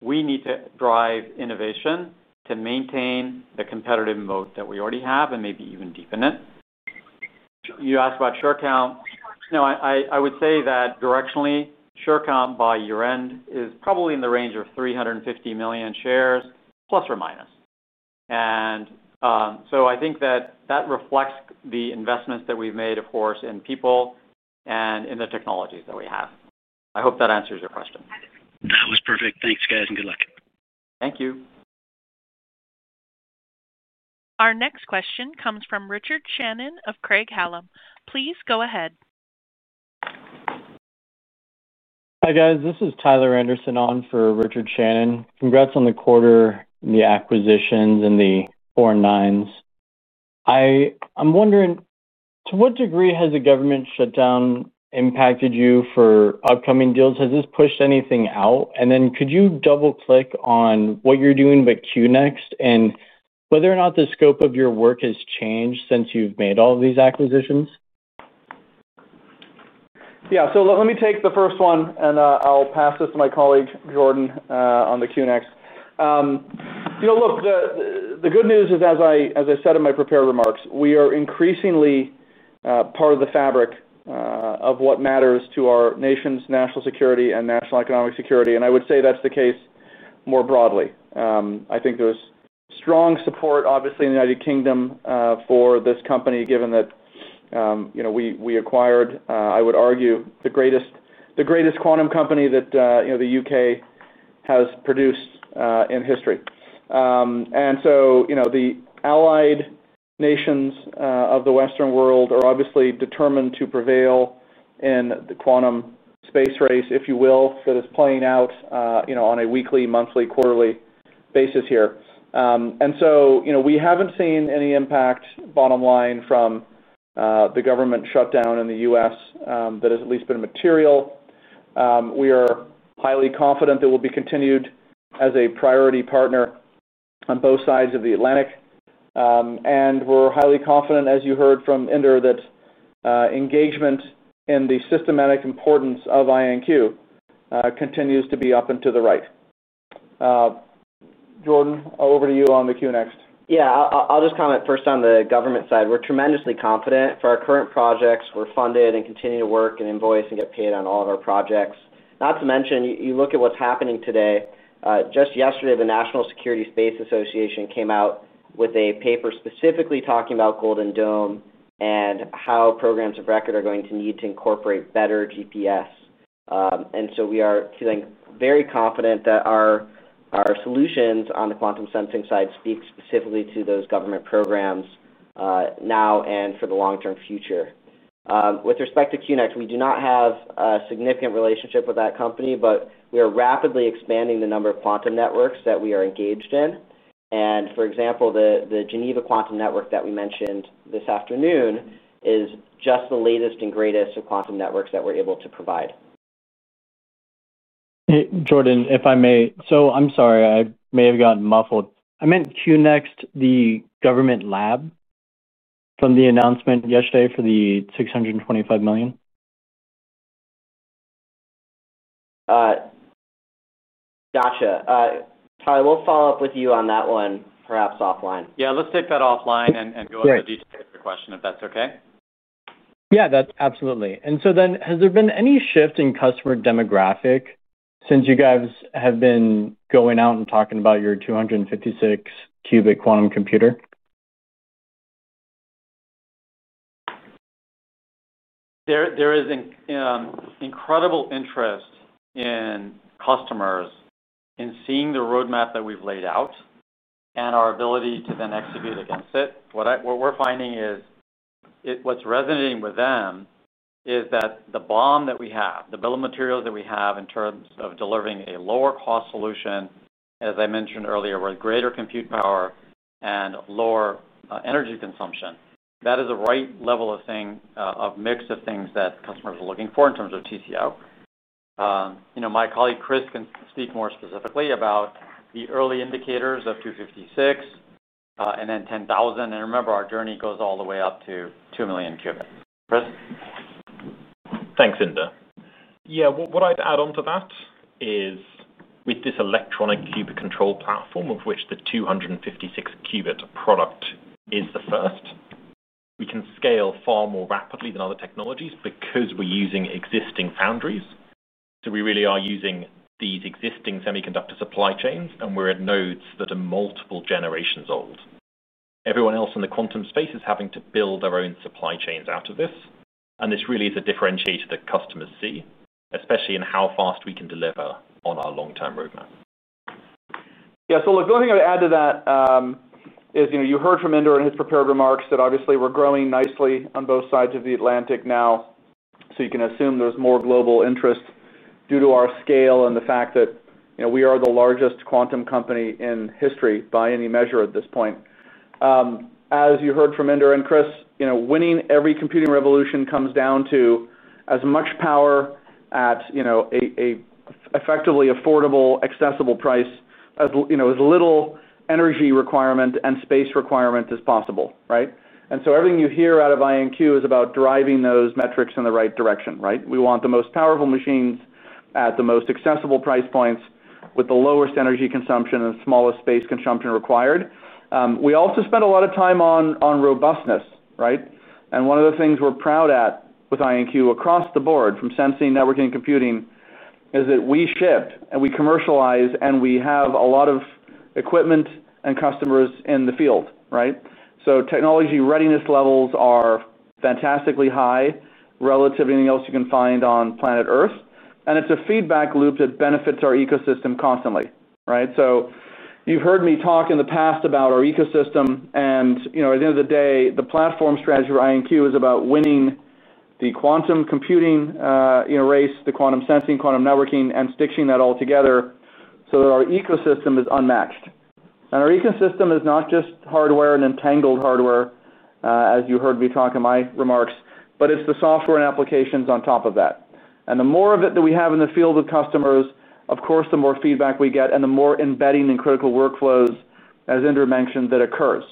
we need to drive innovation to maintain the competitive moat that we already have and maybe even deepen it. You asked about share count. No, I would say that directionally, share count by year-end is probably in the range of 350 million shares + or -. I think that reflects the investments that we've made, of course, in people and in the technologies that we have. I hope that answers your question. That was perfect. Thanks, guys, and good luck. Thank you. Our next question comes from Richard Shannon of Craig-Hallum. Please go ahead. Hi, guys. This is Tyler Anderson on for Richard Shannon. Congrats on the quarter and the acquisitions and the Four Nines. I'm wondering, to what degree has the government shutdown impacted you for upcoming deals? Has this pushed anything out? And then could you double-click on what you're doing with QNext and whether or not the scope of your work has changed since you've made all of these acquisitions? Yeah. Let me take the first one, and I'll pass this to my colleague, Jordan, on the QNext. Look, the good news is, as I said in my prepared remarks, we are increasingly part of the fabric of what matters to our nation's national security and national economic security. I would say that's the case more broadly. I think there's strong support, obviously, in the United Kingdom for this company, given that. We acquired, I would argue, the greatest quantum company that the U.K. has produced in history. The allied nations of the Western world are obviously determined to prevail in the quantum space race, if you will, that is playing out on a weekly, monthly, quarterly basis here. We haven't seen any impact, bottom line, from the government shutdown in the U.S. that has at least been material. We are highly confident that we'll be continued as a priority partner on both sides of the Atlantic. We're highly confident, as you heard from Inder, that engagement in the systematic importance of IonQ continues to be up and to the right. Jordan, over to you on the QNext. Yeah. I'll just comment first on the government side. We're tremendously confident for our current projects. We're funded and continue to work and invoice and get paid on all of our projects. Not to mention, you look at what's happening today. Just yesterday, the National Security Space Association came out with a paper specifically talking about Golden Dome and how programs of record are going to need to incorporate better GPS. We are feeling very confident that our solutions on the quantum sensing side speak specifically to those government programs now and for the long-term future. With respect to QNext, we do not have a significant relationship with that company, but we are rapidly expanding the number of quantum networks that we are engaged in. For example, the Geneva Quantum Network that we mentioned this afternoon is just the latest and greatest of quantum networks that we're able to provide. Jordan, if I may, so I'm sorry. I may have gotten muffled. I meant QNext, the government lab. From the announcement yesterday for the $625 million. Gotcha. Tyler, we'll follow up with you on that one, perhaps offline. Yeah. Let's take that offline and go into the details of your question, if that's okay. Yeah. Absolutely. And so then, has there been any shift in customer demographic since you guys have been going out and talking about your 256 qubit quantum computer? There is. Incredible interest in customers in seeing the roadmap that we've laid out. And our ability to then execute against it. What we're finding is. What's resonating with them is that the bill of materials that we have in terms of delivering a lower-cost solution, as I mentioned earlier, with greater compute power and lower energy consumption, that is the right level of mix of things that customers are looking for in terms of TCO. My colleague, Chris, can speak more specifically about the early indicators of 256. And then 10,000. Remember, our journey goes all the way up to 2 million qubits. Chris? Thanks, Inder. Yeah. What I'd add on to that is with this electronic qubit control platform of which the 256 qubit product is the first. We can scale far more rapidly than other technologies because we're using existing foundries. We really are using these existing semiconductor supply chains, and we're at nodes that are multiple generations old. Everyone else in the quantum space is having to build their own supply chains out of this. This really is a differentiator that customers see, especially in how fast we can deliver on our long-term roadmap. Yeah. The only thing I would add to that is you heard from Inder in his prepared remarks that obviously we're growing nicely on both sides of the Atlantic now. You can assume there's more global interest due to our scale and the fact that we are the largest quantum company in history by any measure at this point. As you heard from Inder and Chris, winning every computing revolution comes down to as much power at an effectively affordable, accessible price, as little energy requirement and space requirement as possible. Right? Everything you hear out of IonQ is about driving those metrics in the right direction. Right? We want the most powerful machines at the most accessible price points with the lowest energy consumption and the smallest space consumption required. We also spend a lot of time on robustness. Right? One of the things we're proud at with IonQ across the board from sensing, networking, and computing is that we ship and we commercialize, and we have a lot of equipment and customers in the field. Right? Technology readiness levels are fantastically high relative to anything else you can find on planet Earth. It's a feedback loop that benefits our ecosystem constantly. Right? You've heard me talk in the past about our ecosystem. At the end of the day, the platform strategy for IonQ is about winning the quantum computing race, the quantum sensing, quantum networking, and stitching that all together so that our ecosystem is unmatched. Our ecosystem is not just hardware and entangled hardware, as you heard me talk in my remarks, but it's the software and applications on top of that. The more of it that we have in the field with customers, of course, the more feedback we get and the more embedding and critical workflows, as Inder mentioned, that occurs.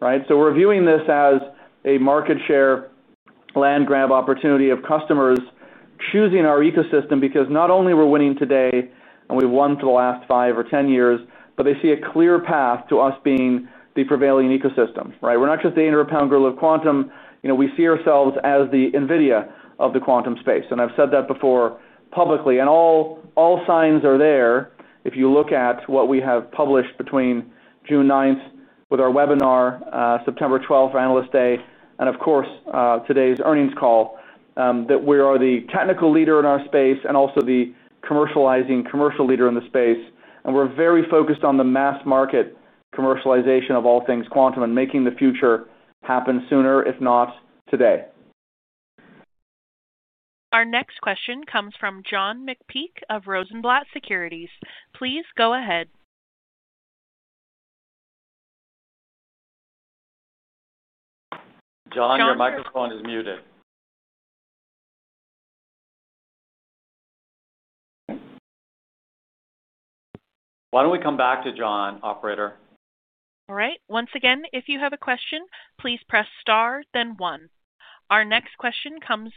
Right? We are viewing this as a market share land grab opportunity of customers choosing our ecosystem because not only are we winning today and we've won for the last 5 or 10 years, but they see a clear path to us being the prevailing ecosystem. Right? We are not just the 800-pound gorilla of quantum. We see ourselves as the NVIDIA of the quantum space. I've said that before publicly. All signs are there if you look at what we have published between June 9th with our webinar, September 12th for Analyst Day, and of course, today's earnings call, that we are the technical leader in our space and also the commercializing commercial leader in the space. We are very focused on the mass market commercialization of all things quantum and making the future happen sooner, if not today. Our next question comes from John McPeak of Rosenblatt Securities. Please go ahead. John, your microphone is muted. Why do we not come back to John, operator? All right. Once again, if you have a question, please press star, then one. Our next question comes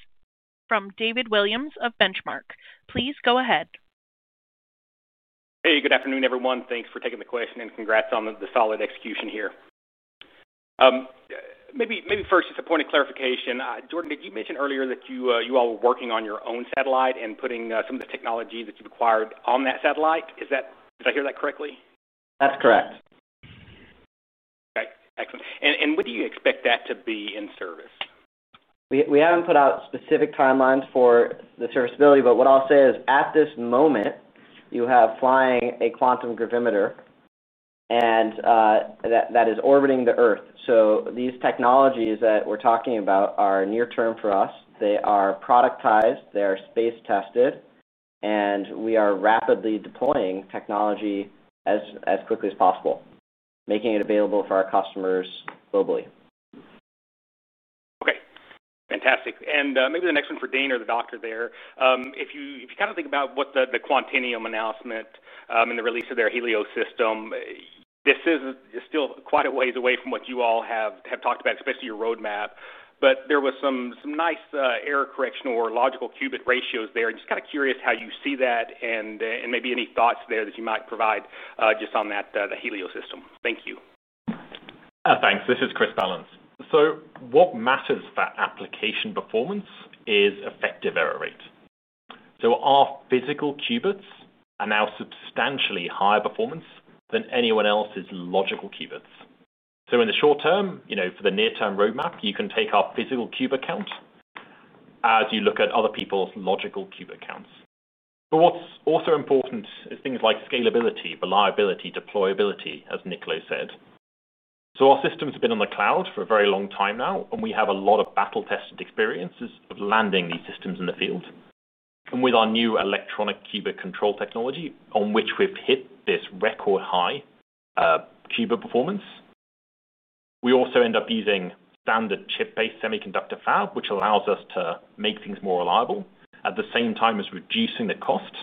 from David Williams of Benchmark. Please go ahead. Hey. Good afternoon, everyone. Thanks for taking the question and congrats on the solid execution here. Maybe first, just a point of clarification. Jordan, did you mention earlier that you all were working on your own satellite and putting some of the technology that you've acquired on that satellite? Did I hear that correctly? That's correct. Okay. Excellent. When do you expect that to be in service? We haven't put out specific timelines for the serviceability. What I'll say is, at this moment, you have flying a quantum gravimeter. That is orbiting the Earth. These technologies that we're talking about are near-term for us. They are productized. They are space-tested. We are rapidly deploying technology as quickly as possible, making it available for our customers globally. Okay. Fantastic. Maybe the next one for Dean or the doctor there. If you kind of think about what the Quantinuum announcement and the release of their Helio system, this is still quite a ways away from what you all have talked about, especially your roadmap. There was some nice error correction or logical qubit ratios there. Just kind of curious how you see that and maybe any thoughts there that you might provide just on the Helio system. Thank you. Thanks. This is Chris Balance. What matters for application performance is effective error rate. Our physical qubits are now substantially higher performance than anyone else's logical qubits. In the short term, for the near-term roadmap, you can take our physical qubit count as you look at other people's logical qubit counts. What's also important is things like scalability, reliability, deployability, as Niccolo said. Our systems have been on the cloud for a very long time now, and we have a lot of battle-tested experiences of landing these systems in the field. With our new electronic qubit control technology, on which we've hit this record high qubit performance, we also end up using standard chip-based semiconductor fab, which allows us to make things more reliable at the same time as reducing the cost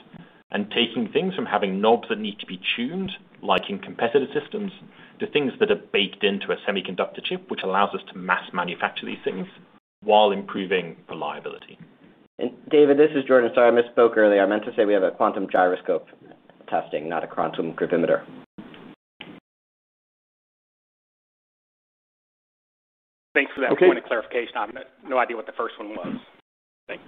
and taking things from having knobs that need to be tuned, like in competitive systems, to things that are baked into a semiconductor chip, which allows us to mass manufacture these things while improving reliability. David, this is Jordan. Sorry, I misspoke earlier. I meant to say we have a quantum gyroscope testing, not a quantum gravimeter. Thanks for that point of clarification. I have no idea what the first one was. Thanks.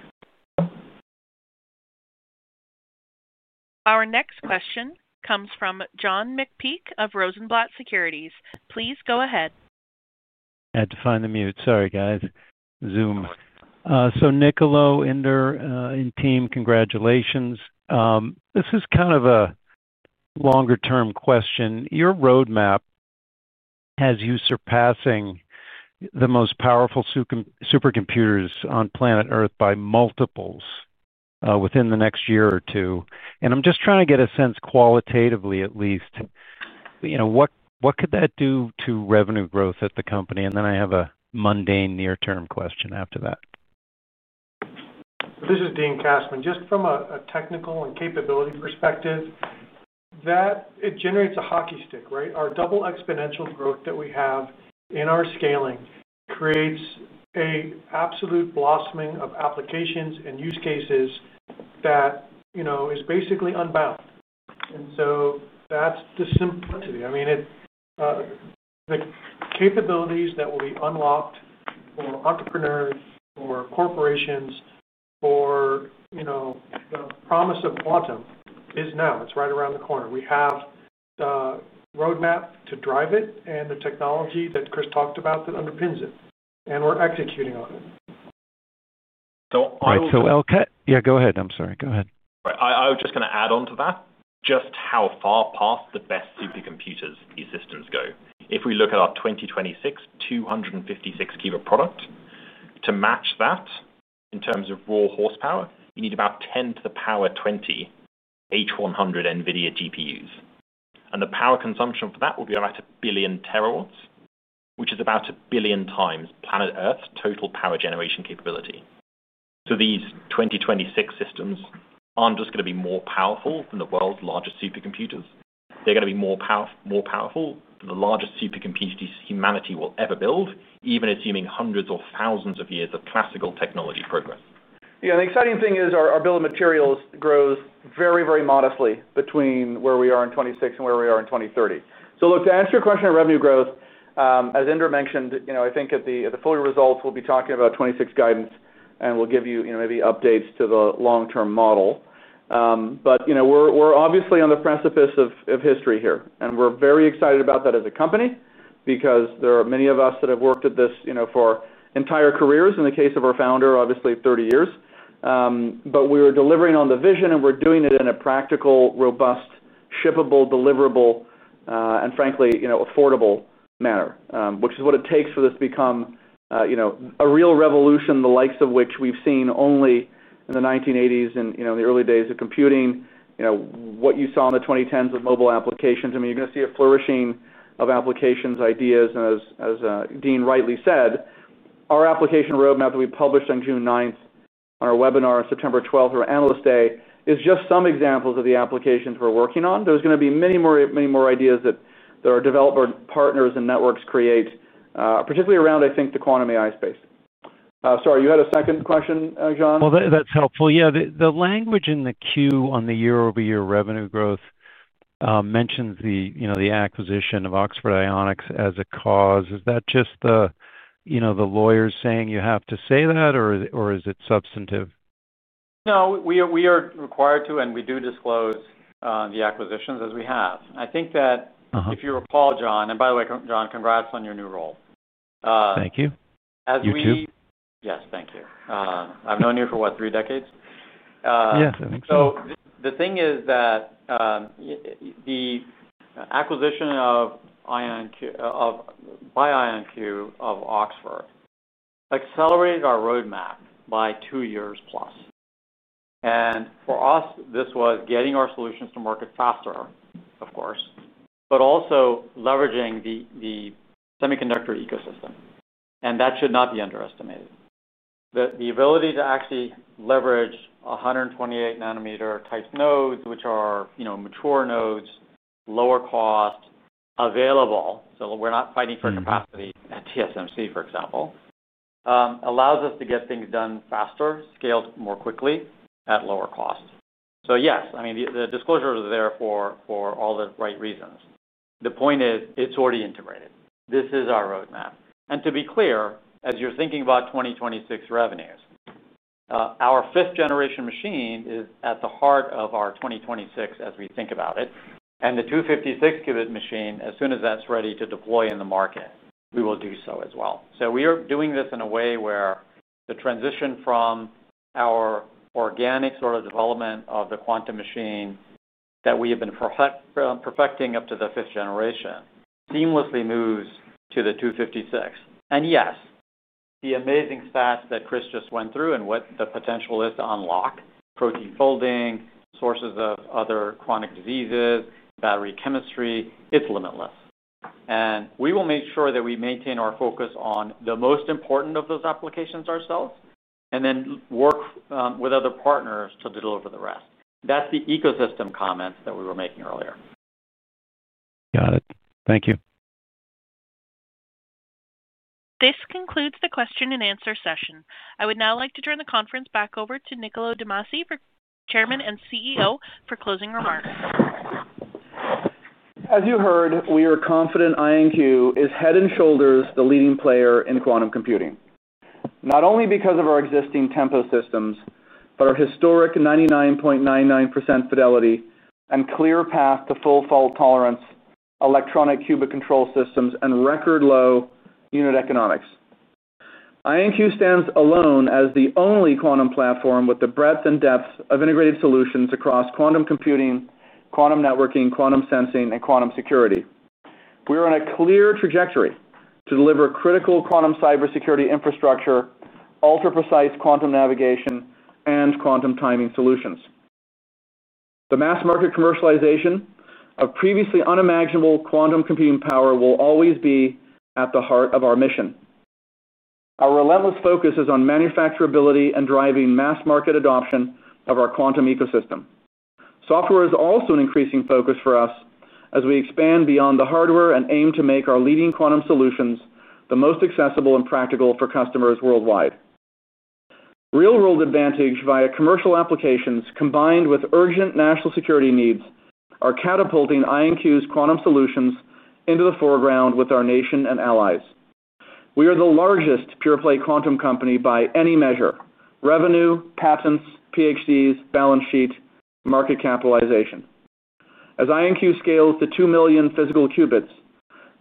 Our next question comes from John McPeake of Rosenblatt Securities. Please go ahead. I had to find the mute. Sorry, guys. Zoom. Niccolo, Inder, and team, congratulations. This is kind of a longer-term question. Your roadmap has you surpassing the most powerful supercomputers on planet Earth by multiples within the next year or two. I am just trying to get a sense, qualitatively at least, what could that do to revenue growth at the company? I have a mundane near-term question after that. This is Dean Kassmann. Just from a technical and capability perspective, it generates a hockey stick, right? Our double exponential growth that we have in our scaling creates an absolute blossoming of applications and use cases that is basically unbound. That is the simplicity. I mean, the capabilities that will be unlocked for entrepreneurs or corporations, the promise of quantum is now. It's right around the corner. We have the roadmap to drive it and the technology that Chris talked about that underpins it. And we're executing on it. Yeah, go ahead. I'm sorry. Go ahead. I was just going to add on to that. Just how far past the best supercomputers these systems go. If we look at our 2026 256 qubit product, to match that in terms of raw horsepower, you need about 10 to the power 20 H100 NVIDIA GPUs. The power consumption for that will be about a billion terawatts, which is about a billion times planet Earth's total power generation capability. These 2026 systems aren't just going to be more powerful than the world's largest supercomputers. They're going to be more powerful than the largest supercomputers humanity will ever build, even assuming hundreds or thousands of years of classical technology progress. Yeah. The exciting thing is our bill of materials grows very, very modestly between where we are in 2026 and where we are in 2030. To answer your question on revenue growth, as Inder mentioned, I think at the full results, we will be talking about 2026 guidance, and we will give you maybe updates to the long-term model. We are obviously on the precipice of history here. We are very excited about that as a company because there are many of us that have worked at this for entire careers, in the case of our founder, obviously 30 years. We are delivering on the vision, and we are doing it in a practical, robust, shippable, deliverable, and frankly, affordable manner, which is what it takes for this to become a real revolution, the likes of which we have seen only in the 1980s and the early days of computing. What you saw in the 2010s with mobile applications, I mean, you're going to see a flourishing of applications, ideas. As Dean rightly said, our application roadmap that we published on June 9th on our webinar on September 12th for Analyst Day is just some examples of the applications we're working on. There's going to be many more ideas that our developer partners and networks create, particularly around, I think, the quantum AI space. Sorry, you had a second question, John? That is helpful. Yeah. The language in the queue on the year-over-year revenue growth mentions the acquisition of Oxford Ionics as a cause. Is that just the lawyers saying you have to say that, or is it substantive? No, we are required to, and we do disclose the acquisitions as we have. I think that if you recall, John, and by the way, John, congrats on your new role. Thank you. You too. As we... Yes. Thank you. I've known you for what, three decades? Yes. I think so. The thing is that the acquisition by IonQ of Oxford accelerated our roadmap by two years +. For us, this was getting our solutions to market faster, of course, but also leveraging the semiconductor ecosystem, and that should not be underestimated. The ability to actually leverage 128-nanometer type nodes, which are mature nodes, lower cost, available, so we're not fighting for capacity at TSMC, for example, allows us to get things done faster, scaled more quickly at lower cost. Yes, I mean, the disclosure is there for all the right reasons. The point is it's already integrated. This is our roadmap. To be clear, as you're thinking about 2026 revenues, our 5th-generation machine is at the heart of our 2026 as we think about it. The 256-qubit machine, as soon as that's ready to deploy in the market, we will do so as well. We are doing this in a way where the transition from our organic sort of development of the quantum machine that we have been perfecting up to the fifth generation seamlessly moves to the 256. Yes, the amazing stats that Chris just went through and what the potential is to unlock—protein folding, sources of other chronic diseases, battery chemistry—it's limitless. We will make sure that we maintain our focus on the most important of those applications ourselves and then work with other partners to deliver the rest. That's the ecosystem comments that we were making earlier. Got it. Thank you. This concludes the question-and-answer session. I would now like to turn the conference back over to Niccolo De Masi, Chairman and CEO, for closing remarks. As you heard, we are confident IonQ is head and shoulders the leading player in quantum computing, not only because of our existing Tempo systems, but our historic 99.99% fidelity and clear path to full fault tolerance, electronic qubit control systems, and record-low unit economics. IonQ stands alone as the only quantum platform with the breadth and depth of integrated solutions across quantum computing, quantum networking, quantum sensing, and quantum security. We are on a clear trajectory to deliver critical quantum cybersecurity infrastructure, ultra-precise quantum navigation, and quantum timing solutions. The mass market commercialization of previously unimaginable quantum computing power will always be at the heart of our mission. Our relentless focus is on manufacturability and driving mass market adoption of our quantum ecosystem. Software is also an increasing focus for us as we expand beyond the hardware and aim to make our leading quantum solutions the most accessible and practical for customers worldwide. Real-world advantage via commercial applications combined with urgent national security needs are catapulting IonQ's quantum solutions into the foreground with our nation and allies. We are the largest pure-play quantum company by any measure: revenue, patents, PhDs, balance sheet, market capitalization. As IonQ scales to 2 million physical qubits,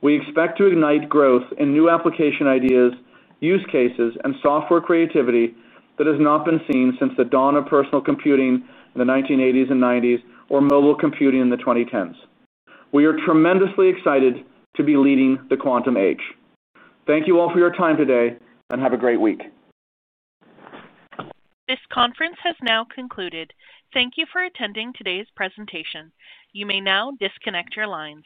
we expect to ignite growth in new application ideas, use cases, and software creativity that has not been seen since the dawn of personal computing in the 1980s and 1990s or mobile computing in the 2010s. We are tremendously excited to be leading the quantum age. Thank you all for your time today, and have a great week. This conference has now concluded. Thank you for attending today's presentation. You may now disconnect your lines.